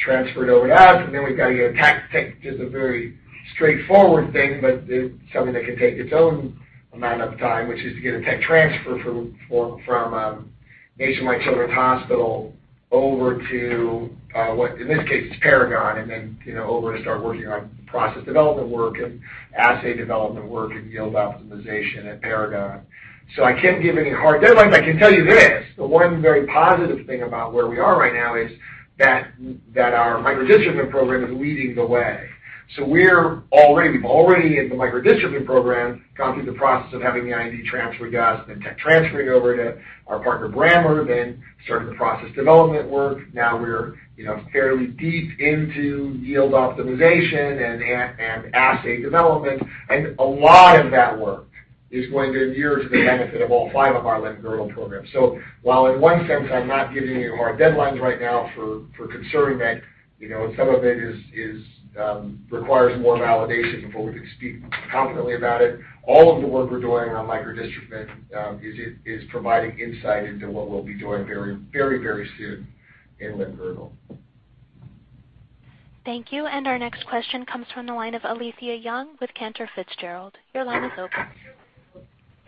transferred over to us, then we've got to get a tech, which is a very straightforward thing, something that can take its own amount of time, which is to get a tech transfer from Nationwide Children's Hospital over to what, in this case, is Paragon, then over to start working on process development work and assay development work and yield optimization at Paragon. I can't give any hard deadlines. I can tell you this, the one very positive thing about where we are right now is that our microdystrophin program is leading the way. We've already, in the microdystrophin program, gone through the process of having the IND transferred to us, then tech transferring over to our partner, Brammer, then starting the process development work. Now we're fairly deep into yield optimization and assay development, and a lot of that work is going to inure to the benefit of all 5 of our limb-girdle programs. While in one sense, I'm not giving you hard deadlines right now for considering that, and some of it requires more validation before we can speak confidently about it. All of the work we're doing around microdystrophin is providing insight into what we'll be doing very soon in limb-girdle. Thank you. Our next question comes from the line of Alethia Young with Cantor Fitzgerald. Your line is open.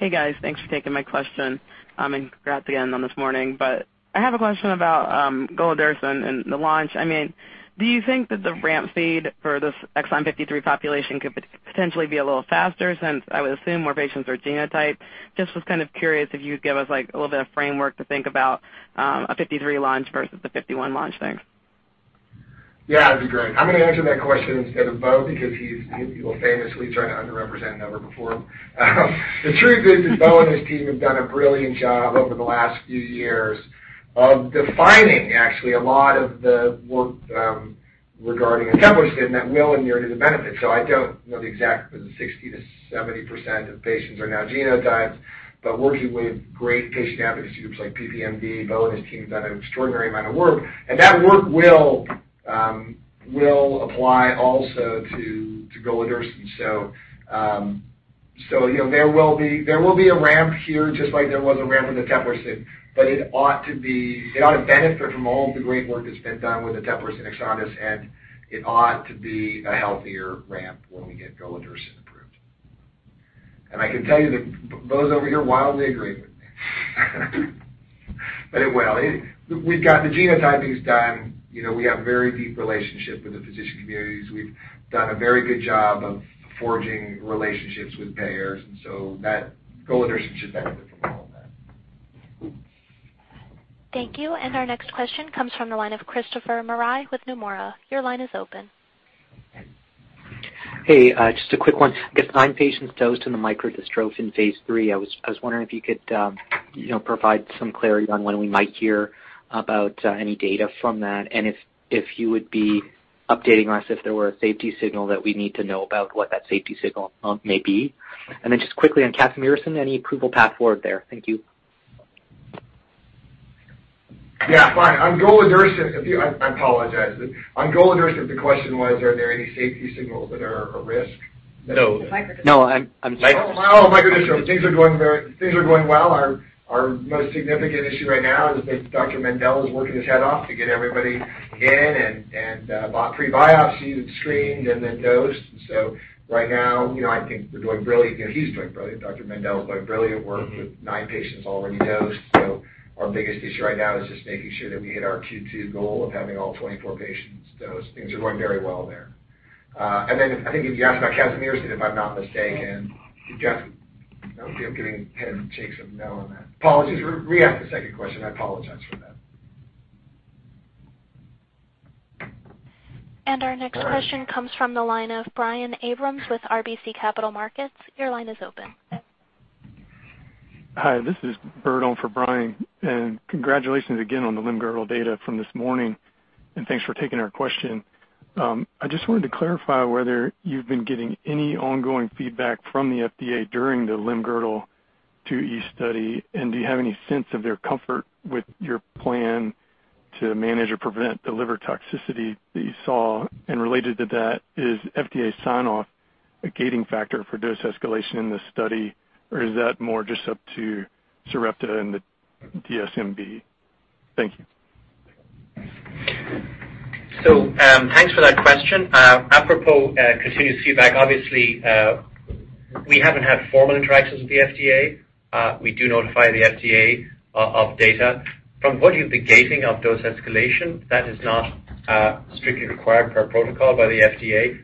Hey, guys. Thanks for taking my question. Congrats again on this morning. I have a question about Golodirsen and the launch. Do you think that the ramp speed for this Exon 53 population could potentially be a little faster since I would assume more patients are genotyped? Just was kind of curious if you would give us a little bit of framework to think about a 53 launch versus the 51 launch. Thanks. That'd be great. I'm going to answer that question instead of Bo because he will famously try to underrepresent a number before. The truth is that Bo and his team have done a brilliant job over the last few years of defining actually a lot of the work regarding eteplirsen that will inure to the benefit. I don't know the exact, but the 60%-70% of patients are now genotyped. Working with great patient advocacy groups like PPMD, Bo and his team have done an extraordinary amount of work, and that work will apply also to Golodirsen. There will be a ramp here just like there was a ramp with eteplirsen, but it ought to benefit from all of the great work that's been done with eteplirsen and EXONDYS, and it ought to be a healthier ramp when we get Golodirsen approved. I can tell you that Bo's over here wildly agreeing with me. Well, the genotyping's done. We have very deep relationships with the physician communities. We've done a very good job of forging relationships with payers, that golodirsen should benefit from all of that. Thank you. Our next question comes from the line of Christopher Marai with Nomura. Your line is open. Hey, just a quick one. I guess nine patients dosed in the microdystrophin phase III. I was wondering if you could provide some clarity on when we might hear about any data from that and if you would be updating us if there were a safety signal that we need to know about what that safety signal may be. Just quickly on casimersen, any approval path forward there? Thank you. Yeah, fine. On golodirsen, I apologize. On golodirsen, the question was, are there any safety signals that are a risk? No. Microdystrophin. No, I'm microdystrophin. Oh, microdystrophin. Things are going well. Our most significant issue right now is that Dr. Mendell is working his head off to get everybody in and pre-biopsied, screened, and then dosed. Right now, I think we're doing brilliant. He's doing brilliant. Dr. Mendell is doing brilliant work with nine patients already dosed. Our biggest issue right now is just making sure that we hit our Q2 goal of having all 24 patients dosed. Things are going very well there. I think you asked about casimersen, if I'm not mistaken. You know, I'm getting head shakes of no on that. Apologies. Re-ask the second question. I apologize for that. Our next question comes from the line of Brian Abrahams with RBC Capital Markets. Your line is open. Hi, this is Berton for Brian. Congratulations again on the limb-girdle data from this morning, and thanks for taking our question. I just wanted to clarify whether you've been getting any ongoing feedback from the FDA during the limb-girdle 2E study, and do you have any sense of their comfort with your plan to manage or prevent the liver toxicity that you saw? Related to that, is FDA sign-off a gating factor for dose escalation in this study, or is that more just up to Sarepta and the DSMB? Thank you. Thanks for that question. Apropos continuous feedback, obviously, we haven't had formal interactions with the FDA. We do notify the FDA of data. From the point of the gating of dose escalation, that is not strictly required per protocol by the FDA.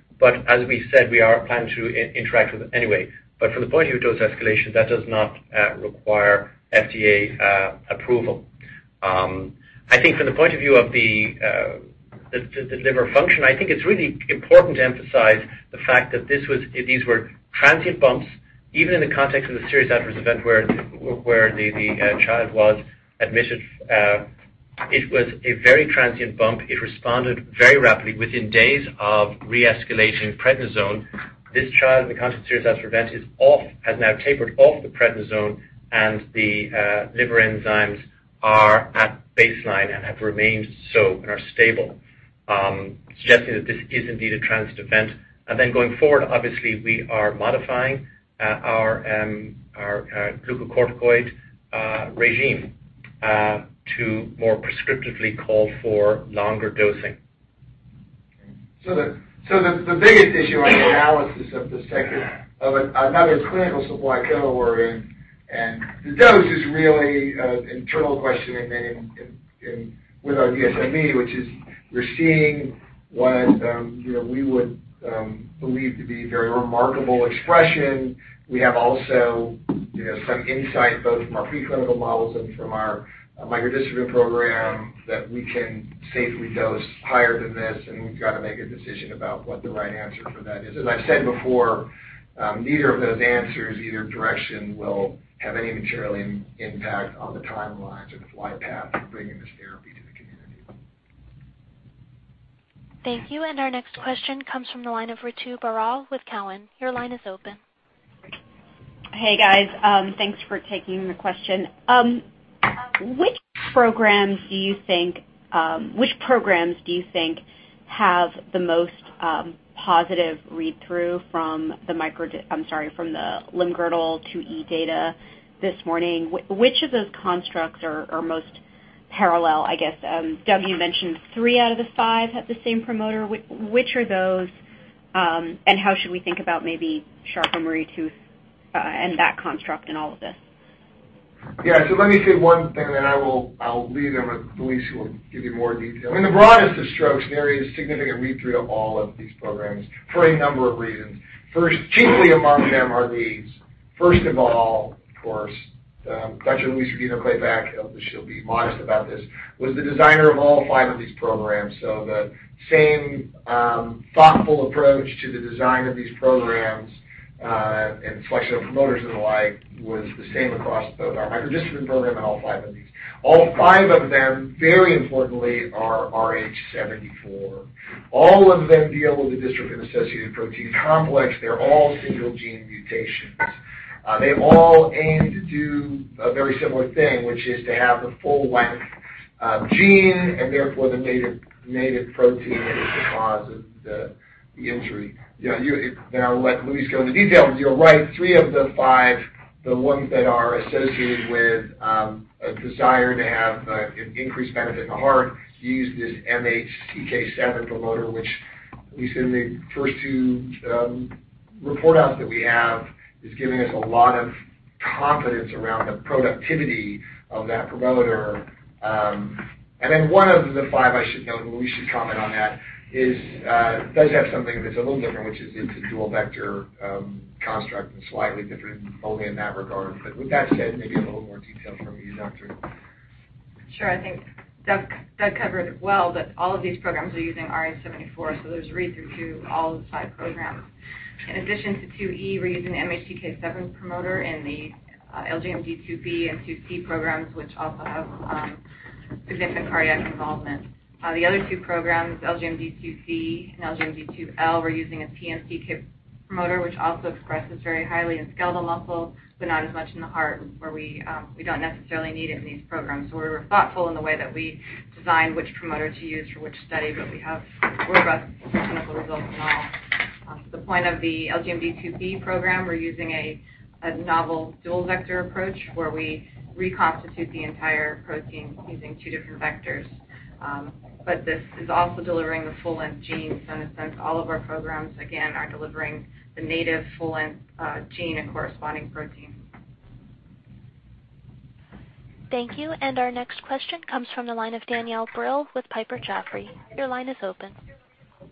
As we said, we are planning to interact with them anyway. From the point of view of dose escalation, that does not require FDA approval. From the point of view of the liver function, it's really important to emphasize the fact that these were transient bumps, even in the context of the serious adverse event where the child was admitted. It was a very transient bump. It responded very rapidly within days of re-escalating prednisone. This child, in the context of serious adverse event, has now tapered off the prednisone, and the liver enzymes are at baseline and have remained so and are stable, suggesting that this is indeed a transient event. Going forward, obviously, we are modifying our glucocorticoid regime to more prescriptively call for longer dosing. The biggest issue on the analysis of another clinical supply and the dose is really an internal question with our DSMB, which is we're seeing what we would believe to be very remarkable expression. We have also some insight, both from our preclinical models and from our microdystrophin program, that we can safely dose higher than this, and we've got to make a decision about what the right answer for that is. As I've said before, neither of those answers, either direction, will have any material impact on the timelines or the flight path for bringing this therapy to the community. Thank you. Our next question comes from the line of Ritu Baral with Cowen. Your line is open. Hey, guys. Thanks for taking the question. Which programs do you think have the most positive read-through from the limb-girdle Type 2E data this morning? Which of those constructs are most parallel, I guess? Doug, you mentioned three out of the five have the same promoter. Which are those, and how should we think about maybe Charcot-Marie-Tooth and that construct in all of this? Yeah. Let me say one thing, then I'll leave, and Louise Rodino-Klapac will give you more detail. In the broadest of strokes, there is significant read-through of all of these programs for a number of reasons. First, chiefly among them are these. First of all, of course, Dr. Louise Rodino-Klapac, I hope she'll be modest about this, was the designer of all five of these programs. The same thoughtful approach to the design of these programs, and selection of promoters and the like, was the same across both our microdystrophin program and all five of these. All five of them, very importantly, are RH74. All of them deal with the dystrophin-associated protein complex. They're all single gene mutations. They all aim to do a very similar thing, which is to have the full-length gene and therefore the native protein that is the cause of the injury. I'll let Louise go into detail. You're right, three of the five, the ones that are associated with a desire to have an increased benefit in the heart, use this MHCK7 promoter, which Louise, in the first two report outs that we have, is giving us a lot of confidence around the productivity of that promoter. One of the five, I should note, and Louise should comment on that, does have something that's a little different, which is it's a dual vector construct and slightly different only in that regard. With that said, maybe a little more detail from you, doctor. Sure. I think Doug covered it well that all of these programs are using RH74, so there's read-through to all of the five programs. In addition to Type 2E, we're using the MHCK7 promoter in the LGMD2B and LGMD2C programs, which also have significant cardiac involvement. The other two programs, LGMD2C and LGMD2L, we're using a PMC kip promoter, which also expresses very highly in skeletal muscle, but not as much in the heart, where we don't necessarily need it in these programs. We were thoughtful in the way that we designed which promoter to use for which study, but we have robust preclinical results in all. To the point of the LGMD2B program, we're using a novel dual vector approach where we reconstitute the entire protein using two different vectors. This is also delivering the full-length gene. In a sense, all of our programs, again, are delivering the native full-length gene and corresponding protein. Thank you. Our next question comes from the line of Danielle Brill with Piper Jaffray. Your line is open.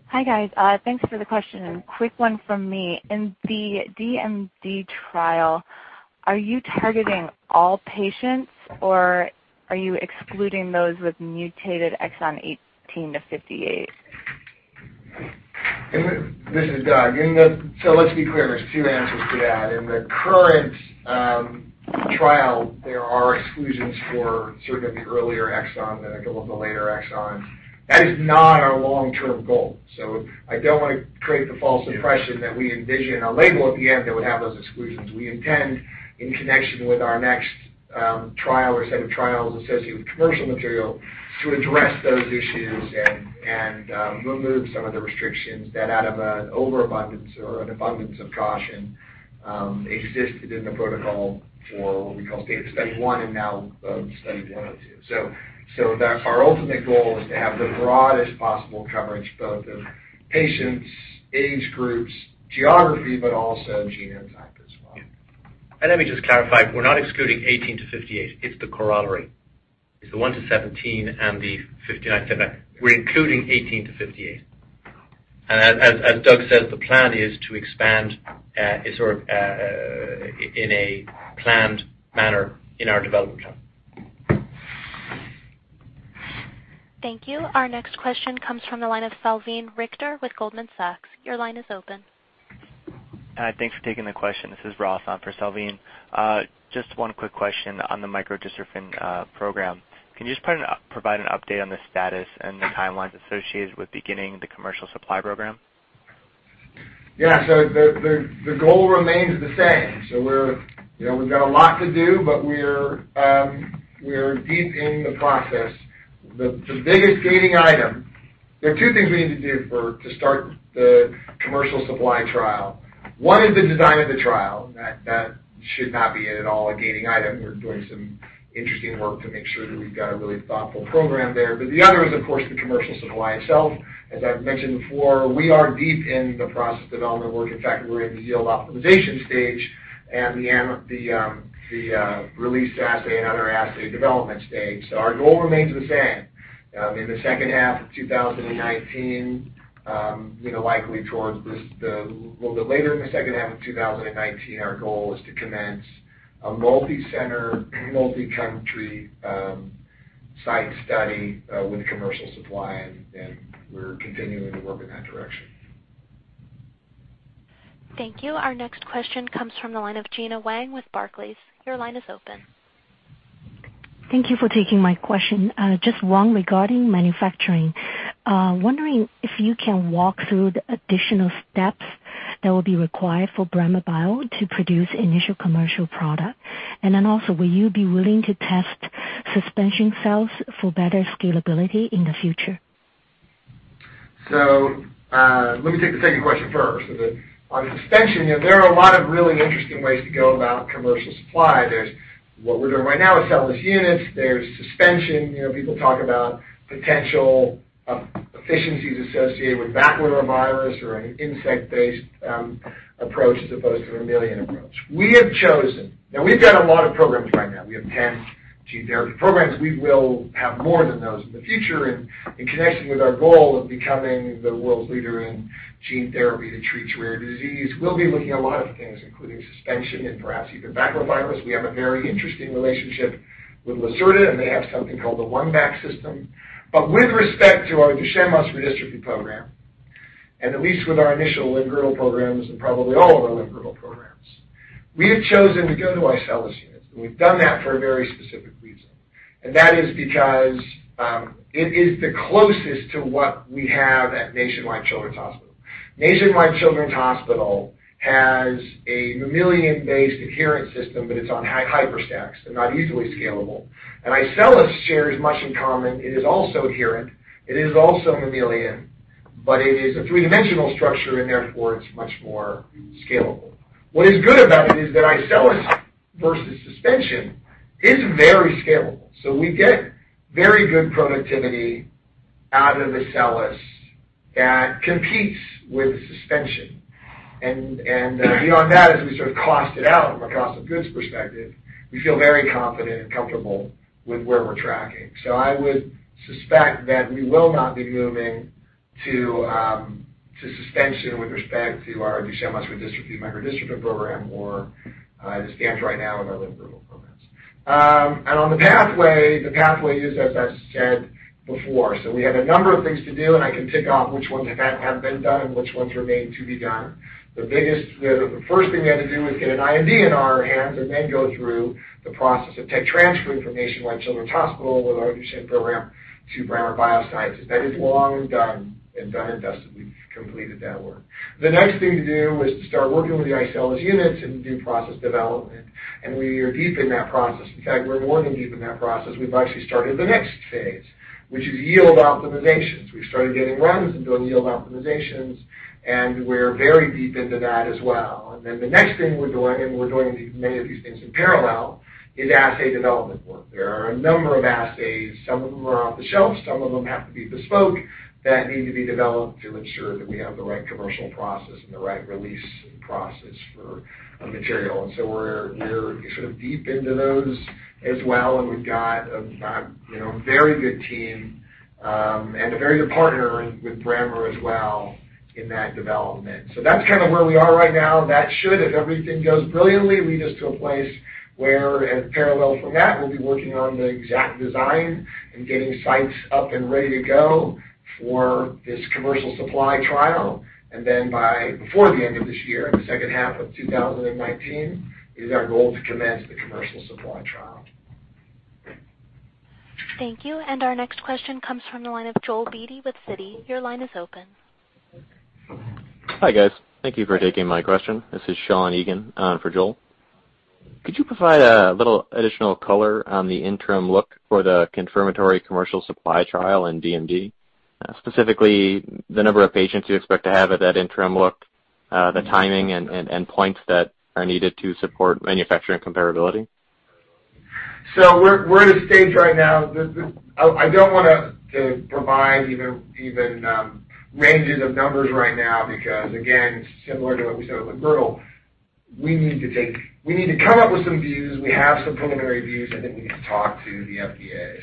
Hi, guys. Thanks for the question, and quick one from me. In the DMD trial, are you targeting all patients, or are you excluding those with mutated exon 18 to 58? This is Doug. Let's be clear, there's two answers to that. In the current trial, there are exclusions for certain of the earlier exon than a couple of the later exon. That is not our long-term goal. I don't want to create the false impression that we envision a label at the end that would have those exclusions. We intend, in connection with our next trial or set of trials associated with commercial material to address those issues and remove some of the restrictions that out of an overabundance or an abundance of caution existed in the protocol for what we call Stage 1 and now Study 102. Our ultimate goal is to have the broadest possible coverage, both of patients, age groups, geography, but also genotype as well. Let me just clarify, we're not excluding 18 to 58. It's the corollary. It's the one to 17 and the 15 to 19. We're including 18 to 58. As Doug says, the plan is to expand in a planned manner in our development plan. Thank you. Our next question comes from the line of Salveen Richter with Goldman Sachs. Your line is open. Hi, thanks for taking the question. This is Ross for Salveen. One quick question on the microdystrophin program. Can you just provide an update on the status and the timelines associated with beginning the commercial supply program? The goal remains the same. We've got a lot to do, but we're deep in the process. There are two things we need to do to start the commercial supply trial. One is the design of the trial. That should not be at all a gating item. We're doing some interesting work to make sure that we've got a really thoughtful program there. The other is, of course, the commercial supply itself. As I've mentioned before, we are deep in the process development work. In fact, we're in the yield optimization stage and the release assay and other assay development stage. Our goal remains the same. In the second half of 2019, likely a little bit later in the second half of 2019, our goal is to commence a multi-center, multi-country site study with a commercial supply, and we're continuing to work in that direction. Thank you. Our next question comes from the line of Gena Wang with Barclays. Your line is open. Thank you for taking my question. Just one regarding manufacturing. Wondering if you can walk through the additional steps that will be required for Brammer Bio to produce initial commercial product. Then also, will you be willing to test suspension cells for better scalability in the future? Let me take the second question first. On the suspension, there are a lot of really interesting ways to go about commercial supply. What we're doing right now with iCELLis units, there's suspension. People talk about potential efficiencies associated with baculovirus or an insect-based approach as opposed to a mammalian approach. We've got a lot of programs right now. We have 10 gene therapy programs. We will have more than those in the future. In connection with our goal of becoming the world's leader in gene therapy to treat rare disease, we'll be looking at a lot of things, including suspension and perhaps even baculovirus. We have a very interesting relationship with Lacerta, they have something called the OneBac system. With respect to our Duchenne muscular dystrophy program, at least with our initial limb-girdle programs and probably all of our limb-girdle programs, we have chosen to go to our iCELLis units, we've done that for a very specific reason. That is because it is the closest to what we have at Nationwide Children's Hospital. Nationwide Children's Hospital has a mammalian-based adherent system, it's on HYPERStack. They're not easily scalable. Our iCELLis shares much in common. It is also adherent. It is also mammalian, it is a three-dimensional structure, therefore it's much more scalable. What is good about it is that our iCELLis versus suspension is very scalable. We get very good productivity out of the iCELLis that competes with suspension. Beyond that, as we sort of cost it out from a cost of goods perspective, we feel very confident and comfortable with where we're tracking. I would suspect that we will not be moving to suspension with respect to our Duchenne muscular dystrophy microdystrophin program or at least right now in our limb-girdle programs. On the pathway, the pathway is as I've said before. We have a number of things to do, and I can tick off which ones have been done and which ones remain to be done. The first thing we had to do was get an IND in our hands and then go through the process of tech transfer information, Nationwide Children's Hospital with our Duchenne program to Brammer Bio sites. That is long done and done and dusted. We've completed that work. The next thing to do was to start working with the iCELLis units and do process development, we are deep in that process. In fact, we're more than deep in that process. We've actually started the next phase, which is yield optimizations. We've started getting runs and doing yield optimizations, and we're very deep into that as well. The next thing we're doing, and we're doing many of these things in parallel, is assay development work. There are a number of assays, some of them are off the shelf, some of them have to be bespoke, that need to be developed to ensure that we have the right commercial process and the right release process for material. We're sort of deep into those as well, and we've got a very good team and a very good partner with Brammer as well in that development. That's kind of where we are right now. That should, if everything goes brilliantly, lead us to a place where, parallel from that, we'll be working on the exact design and getting sites up and ready to go for this commercial supply trial. Before the end of this year, in the second half of 2019, it is our goal to commence the commercial supply trial. Thank you. Our next question comes from the line of Joel Beatty with Citi. Your line is open. Hi, guys. Thank you for taking my question. This is Sean Egan for Joel. Could you provide a little additional color on the interim look for the confirmatory commercial supply trial in DMD, specifically the number of patients you expect to have at that interim look, the timing, and points that are needed to support manufacturing comparability? We're at a stage right now that I don't want to provide even ranges of numbers right now, because again, similar to what we said with Myrtelle, we need to come up with some views. We have some preliminary views. I think we need to talk to the FDA.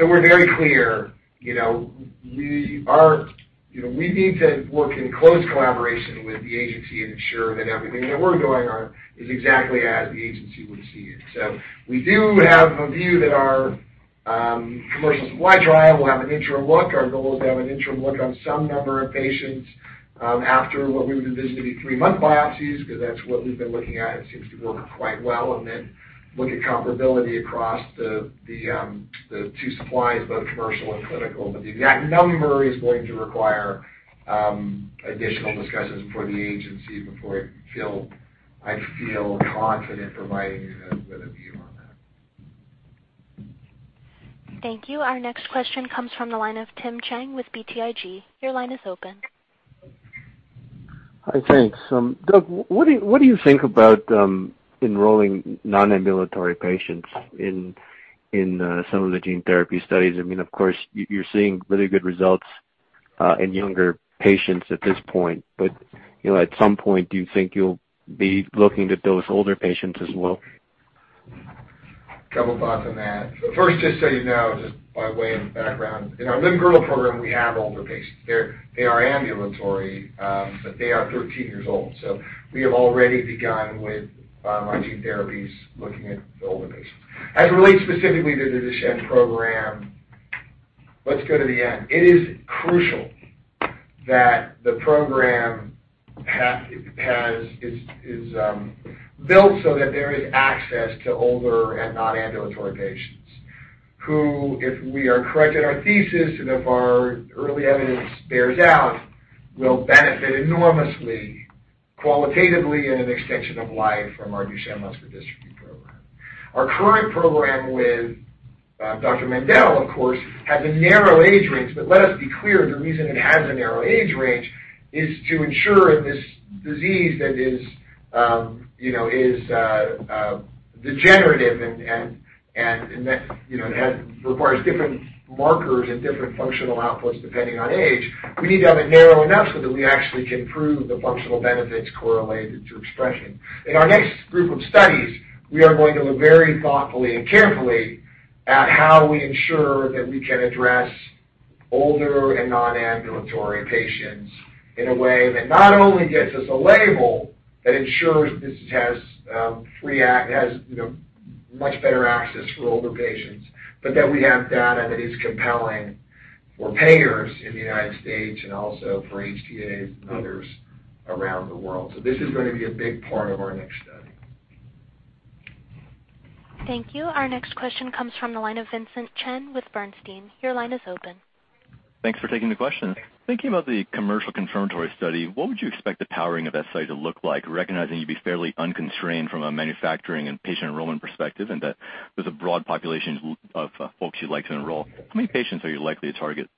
We're very clear. We need to work in close collaboration with the agency and ensure that everything that we're doing on is exactly as the agency would see it. We do have a view that our commercial supply trial will have an interim look. Our goal is to have an interim look on some number of patients after what we would envision to be three-month biopsies, because that's what we've been looking at. It seems to work quite well. Then look at comparability across the two supplies, both commercial and clinical. The exact number is going to require additional discussions before the agency, before I feel confident providing you with a view on that. Thank you. Our next question comes from the line of Tim Chiang with BTIG. Your line is open. Hi. Thanks. Doug, what do you think about enrolling non-ambulatory patients in some of the gene therapy studies? Of course, you're seeing really good results in younger patients at this point. At some point, do you think you'll be looking at those older patients as well? A couple of thoughts on that. First, just so you know, just by way of background, in our limb-girdle program, we have older patients. They are ambulatory, but they are 13 years old. We have already begun with our gene therapies looking at older patients. As it relates specifically to the Duchenne program, let's go to the end. It is crucial that the program is built so that there is access to older and non-ambulatory patients who, if we are correct in our thesis and if our early evidence bears out, will benefit enormously qualitatively in an extension of life from our Duchenne muscular dystrophy program. Our current program with Dr. Mendell, of course, has a narrow age range. Let us be clear, the reason it has a narrow age range is to ensure in this disease that is degenerative and requires different markers and different functional outputs depending on age, we need to have it narrow enough so that we actually can prove the functional benefits correlated to expression. In our next group of studies, we are going to look very thoughtfully and carefully at how we ensure that we can address older and non-ambulatory patients in a way that not only gets us a label that ensures this has much better access for older patients, but that we have data that is compelling for payers in the U.S. and also for HTAs and others around the world. This is going to be a big part of our next study. Thank you. Our next question comes from the line of Vincent Chen with Bernstein. Your line is open. Thanks for taking the question. Thinking about the commercial confirmatory study, what would you expect the powering of that study to look like, recognizing you'd be fairly unconstrained from a manufacturing and patient enrollment perspective, and that there's a broad population of folks you'd like to enroll? How many patients are you likely to target?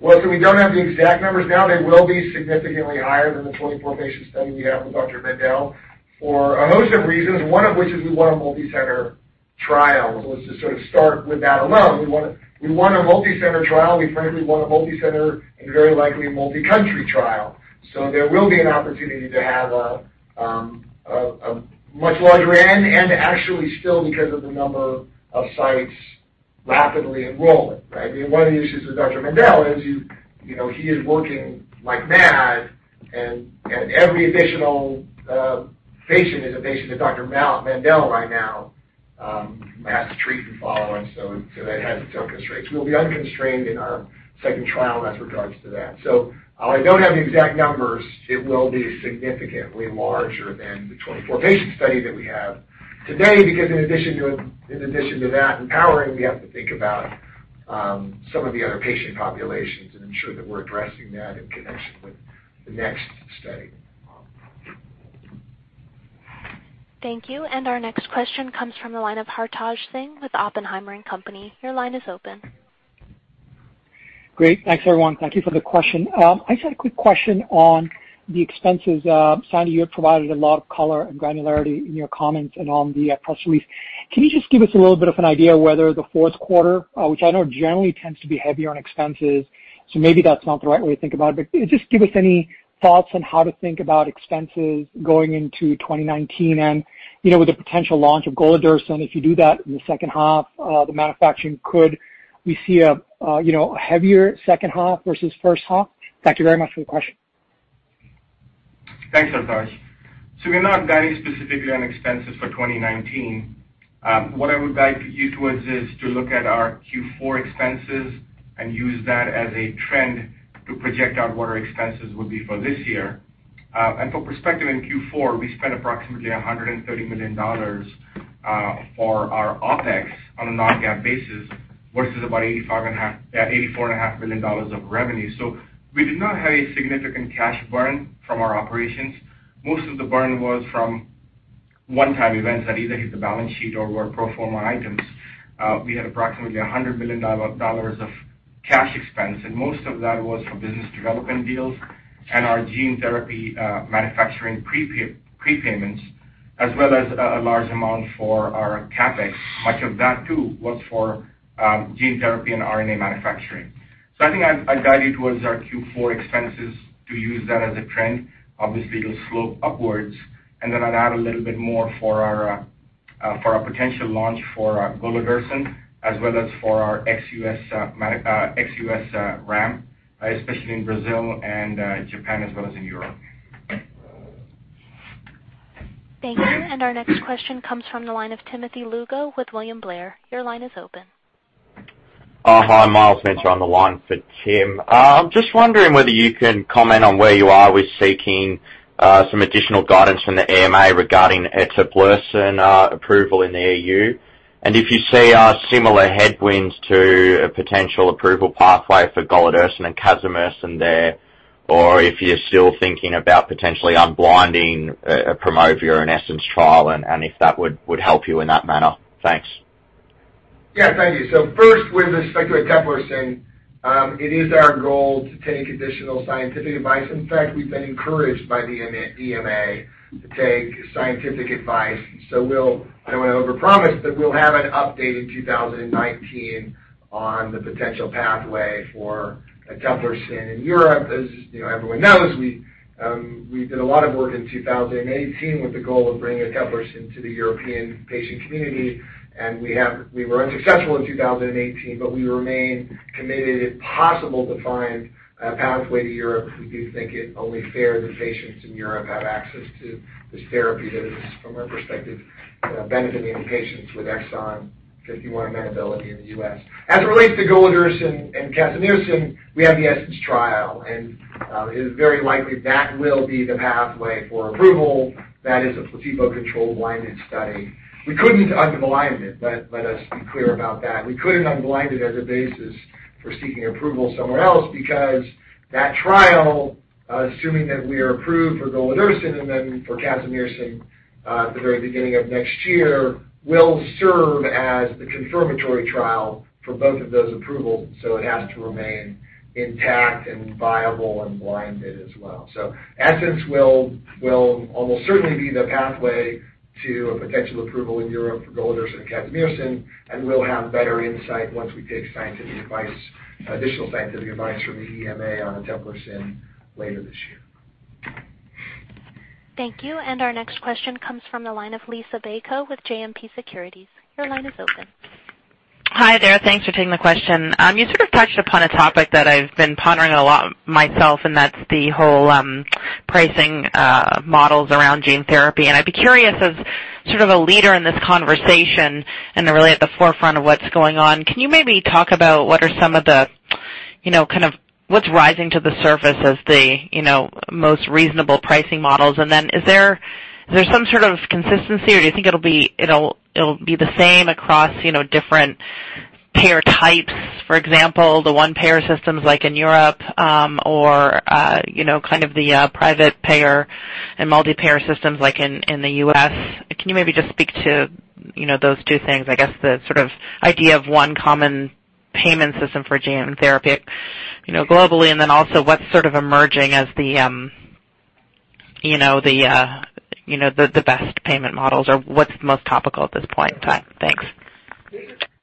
We don't have the exact numbers now. They will be significantly higher than the 24-patient study we have with Dr. Mendell for a host of reasons, one of which is we want a multi-center trial. Let's just sort of start with that alone. We want a multi-center trial. We frankly want a multi-center and very likely multi-country trial. There will be an opportunity to have a much larger end, and actually still because of the number of sites rapidly enrolling, right? One of the issues with Dr. Mendell is he is working like mad, and every additional patient is a patient that Dr. Mendell right now has to treat and follow on. That has its own constraints. We'll be unconstrained in our second trial as regards to that. While I don't have the exact numbers, it will be significantly larger than the 24-patient study that we have today, because in addition to that and powering, we have to think about some of the other patient populations and ensure that we're addressing that in connection with the next study. Thank you. Our next question comes from the line of Hartaj Singh with Oppenheimer & Co.. Your line is open. Great. Thanks, everyone. Thank you for the question. I just had a quick question on the expenses. Sandy, you had provided a lot of color and granularity in your comments and on the press release. Can you just give us a little bit of an idea whether the fourth quarter, which I know generally tends to be heavier on expenses, so maybe that's not the right way to think about it, but just give us any thoughts on how to think about expenses going into 2019 and with the potential launch of golodirsen, if you do that in the second half of the manufacturing, could we see a heavier second half versus first half? Thank you very much for the question. Thanks, Hartaj. We're not guiding specifically on expenses for 2019. What I would guide you towards is to look at our Q4 expenses and use that as a trend to project out what our expenses would be for this year. And for perspective, in Q4, we spent approximately $130 million for our OpEx on a non-GAAP basis versus about $84.5 million of revenue. We did not have a significant cash burn from our operations. Most of the burn was from one-time events that either hit the balance sheet or were pro forma items. We had approximately $100 million of cash expense, and most of that was for business development deals and our gene therapy manufacturing prepayments, as well as a large amount for our CapEx. Much of that too was for gene therapy and RNA manufacturing. I think I'd guide you towards our Q4 expenses to use that as a trend. Obviously, it'll slope upwards. Then I'd add a little bit more for our potential launch for golodirsen as well as for our ex-U.S. ramp, especially in Brazil and Japan, as well as in Europe. Thank you. Our next question comes from the line of Timothy Lugo with William Blair. Your line is open. Hi, Myles Minter on the line for Tim. Just wondering whether you can comment on where you are with seeking some additional guidance from the EMA regarding eteplirsen approval in the EU, and if you see similar headwinds to a potential approval pathway for golodirsen and casimersen there, or if you're still thinking about potentially unblinding a PROMOVI or an ESSENCE trial and if that would help you in that manner. Thanks. Thank you. First, with respect to eteplirsen, it is our goal to take additional scientific advice. In fact, we've been encouraged by the EMA to take scientific advice. I don't want to overpromise, but we'll have an update in 2019 on the potential pathway for eteplirsen in Europe. As everyone knows, we did a lot of work in 2018 with the goal of bringing eteplirsen to the European patient community, and we were unsuccessful in 2018, but we remain committed, if possible, to find a pathway to Europe. We do think it only fair that patients in Europe have access to this therapy that is, from our perspective, benefiting patients with exon 51 amenability in the U.S. As it relates to golodirsen and casimersen, we have the ESSENCE trial, and it is very likely that will be the pathway for approval. That is a placebo-controlled blinded study. We couldn't unblind it. Let us be clear about that. We couldn't unblind it as a basis for seeking approval somewhere else because that trial, assuming that we are approved for golodirsen and then for casimersen at the very beginning of next year, will serve as the confirmatory trial for both of those approvals. It has to remain intact and viable and blinded as well. ESSENCE will almost certainly be the pathway to a potential approval in Europe for golodirsen and casimersen, and we'll have better insight once we take additional scientific advice from the EMA on eteplirsen later this year. Thank you. Our next question comes from the line of Liisa Bayko with JMP Securities. Your line is open. Hi there. Thanks for taking the question. You sort of touched upon a topic that I've been pondering a lot myself, and that's the whole pricing models around gene therapy. I'd be curious, as sort of a leader in this conversation and really at the forefront of what's going on, can you maybe talk about what's rising to the surface as the most reasonable pricing models? Is there some sort of consistency, or do you think it'll be the same across different payer types? For example, the one payer systems like in Europe or kind of the private payer and multi-payer systems like in the U.S. Can you maybe just speak to those two things? I guess the sort of idea of one common payment system for gene therapy globally, also what's sort of emerging as the best payment models, or what's most topical at this point in time? Thanks.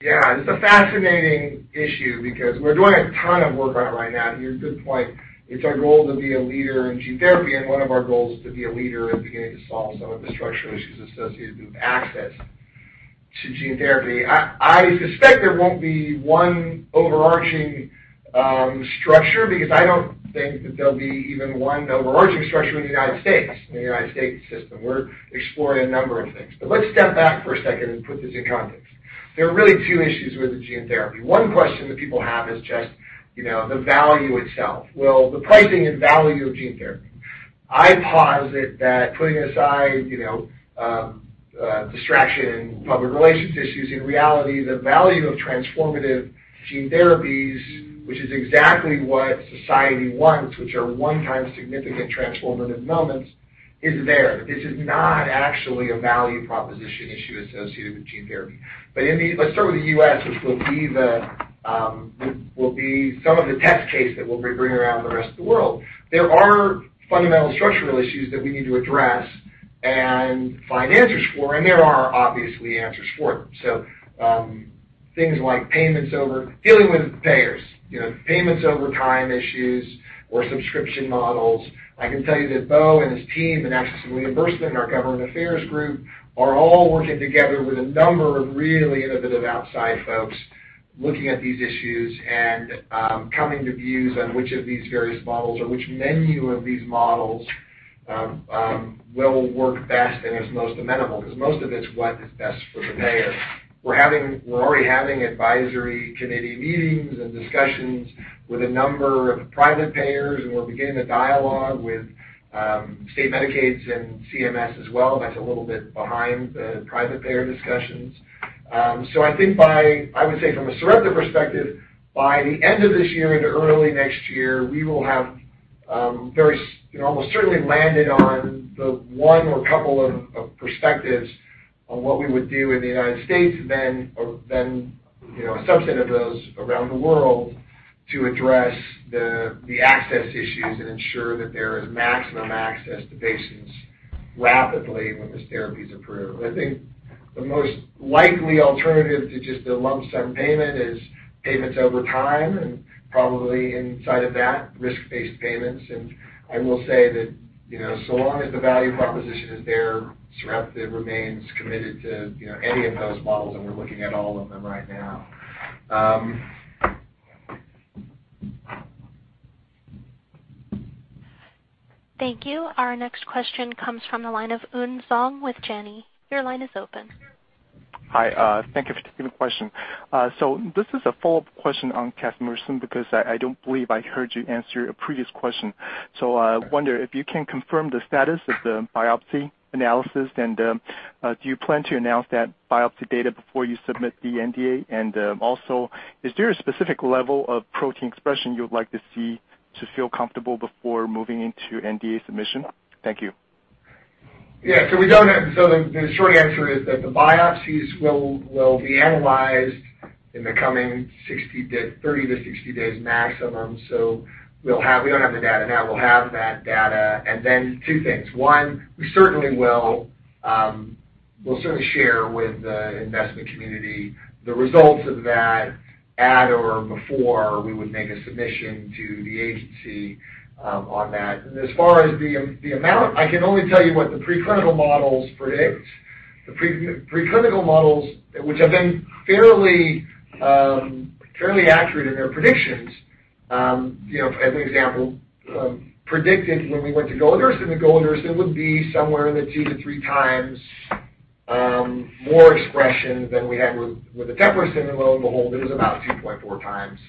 Yeah. It's a fascinating issue because we're doing a ton of work on it right now. To your good point, it's our goal to be a leader in gene therapy, and one of our goals is to be a leader in beginning to solve some of the structural issues associated with access to gene therapy. I suspect there won't be one overarching structure because I don't think that there'll be even one overarching structure in the United States system. We're exploring a number of things. Let's step back for a second and put this in context. There are really two issues with the gene therapy. One question that people have is just the value itself. Well, the pricing and value of gene therapy. I posit that putting aside distraction and public relations issues, in reality, the value of transformative gene therapies, which is exactly what society wants, which are one-time significant transformative moments, is there. This is not actually a value proposition issue associated with gene therapy. Let's start with the U.S., which will be some of the test cases that we'll be bringing around the rest of the world. There are fundamental structural issues that we need to address and find answers for, and there are obviously answers for them. Things like dealing with payers, payments over time issues or subscription models. I can tell you that Bo and his team in access and reimbursement and our government affairs group are all working together with a number of really innovative outside folks, looking at these issues and coming to views on which of these various models or which menu of these models will work best and is most amenable, because most of it's what is best for the payer. We're already having advisory committee meetings and discussions With a number of private payers, and we're beginning a dialogue with state Medicaids and CMS as well. That's a little bit behind the private payer discussions. I think, I would say from a Sarepta perspective, by the end of this year into early next year, we will have almost certainly landed on the one or couple of perspectives on what we would do in the United States, then a subset of those around the world to address the access issues and ensure that there is maximum access to patients rapidly when this therapy's approved. I think the most likely alternative to just a lump sum payment is payments over time, and probably inside of that, risk-based payments. And I will say that, so long as the value proposition is there, Sarepta remains committed to any of those models, and we're looking at all of them right now. Thank you. Our next question comes from the line of Yun Zhong with Janney. Your line is open. Hi. Thank you for taking the question. This is a follow-up question on casimersen because I don't believe I heard you answer a previous question. I wonder if you can confirm the status of the biopsy analysis, and do you plan to announce that biopsy data before you submit the NDA? Also, is there a specific level of protein expression you would like to see to feel comfortable before moving into NDA submission? Thank you. The short answer is that the biopsies will be analyzed in the coming 30 to 60 days maximum. We don't have the data now. We will have that data, then two things. One, we will certainly share with the investment community the results of that at or before we would make a submission to the agency on that. As far as the amount, I can only tell you what the preclinical models predict. The preclinical models, which have been fairly accurate in their predictions. As an example, predicted when we went to golodirsen, that golodirsen would be somewhere in the two to three times more expression than we had with eteplirsen. Lo and behold, it was about 2.4 times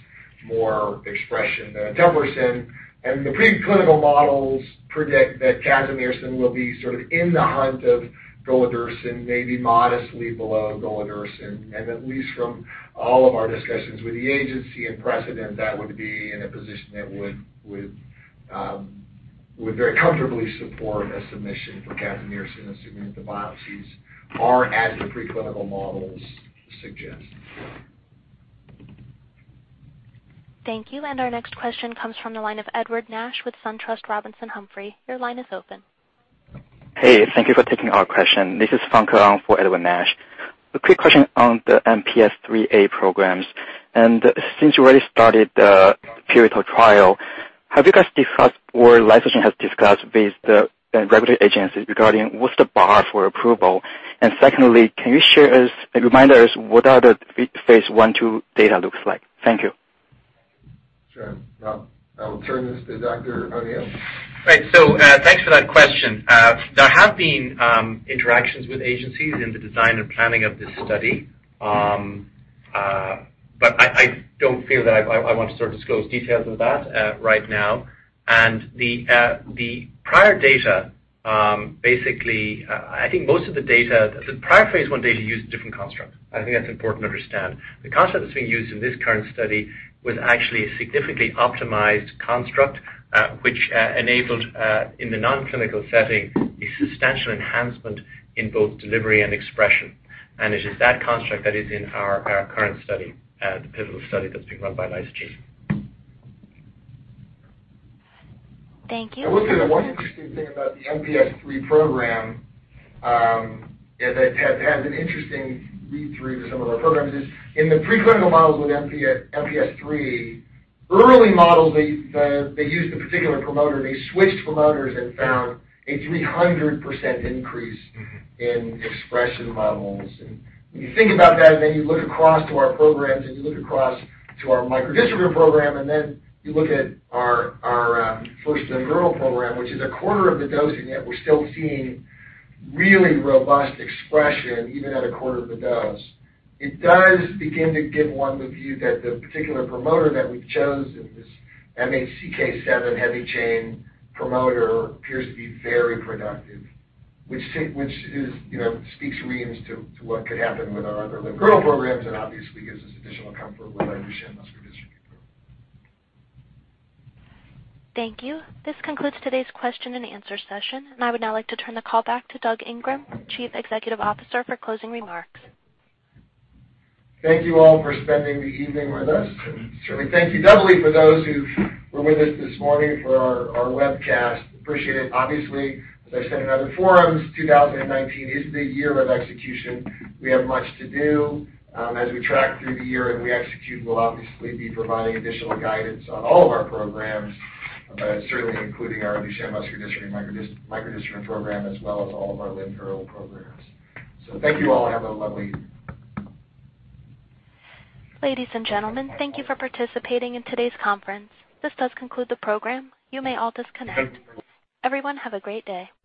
more expression than eteplirsen. The preclinical models predict that casimersen will be sort of in the hunt of golodirsen, maybe modestly below golodirsen. At least from all of our discussions with the agency and precedent, that would be in a position that would very comfortably support a submission for casimersen, assuming that the biopsies are as the preclinical models suggest. Thank you. Our next question comes from the line of Edward Nash with SunTrust Robinson Humphrey. Your line is open. Hey, thank you for taking our question. This is Fang Lang for Edward Nash. A quick question on the MPS IIIA programs. Since you already started the pivotal trial, have you guys discussed or Lysogene has discussed with the regulatory agencies regarding what is the bar for approval? Secondly, can you share with us, remind us what are the phase I, II data looks like? Thank you. Sure. I'll turn this to Dr. O'Neill. Right. Thanks for that question. There have been interactions with agencies in the design and planning of this study. I don't feel that I want to sort of disclose details of that right now. The prior data, basically, I think most of the data, the prior phase I data used a different construct. I think that's important to understand. The construct that's being used in this current study was actually a significantly optimized construct, which enabled, in the non-clinical setting, a substantial enhancement in both delivery and expression. It is that construct that is in our current study, the pivotal study that's being run by Lysogene. Thank you. I will say the one interesting thing about the MPS III program that has an interesting read-through to some of our programs is in the preclinical models with MPS III, early models, they used a particular promoter. They switched promoters and found a 300% increase in expression levels. When you think about that, then you look across to our programs, and you look across to our microdystrophin program, then you look at our first limb-girdle program, which is a quarter of the dosing, yet we're still seeing really robust expression, even at a quarter of the dose. It does begin to give one the view that the particular promoter that we've chosen, this MHCK7 heavy chain promoter, appears to be very productive. Which speaks reams to what could happen with our other limb-girdle programs and obviously gives us additional comfort with our Duchenne muscular dystrophy program. Thank you. This concludes today's question and answer session. I would now like to turn the call back to Doug Ingram, Chief Executive Officer, for closing remarks. Thank you all for spending the evening with us. Certainly thank you doubly for those who were with us this morning for our webcast. Appreciate it. Obviously, as I said in other forums, 2019 is the year of execution. We have much to do. As we track through the year and we execute, we'll obviously be providing additional guidance on all of our programs, but certainly including our Duchenne muscular dystrophy microdystrophin program, as well as all of our limb-girdle programs. Thank you all. Ladies and gentlemen, thank you for participating in today's conference. This does conclude the program. You may all disconnect. Thank you. Everyone, have a great day.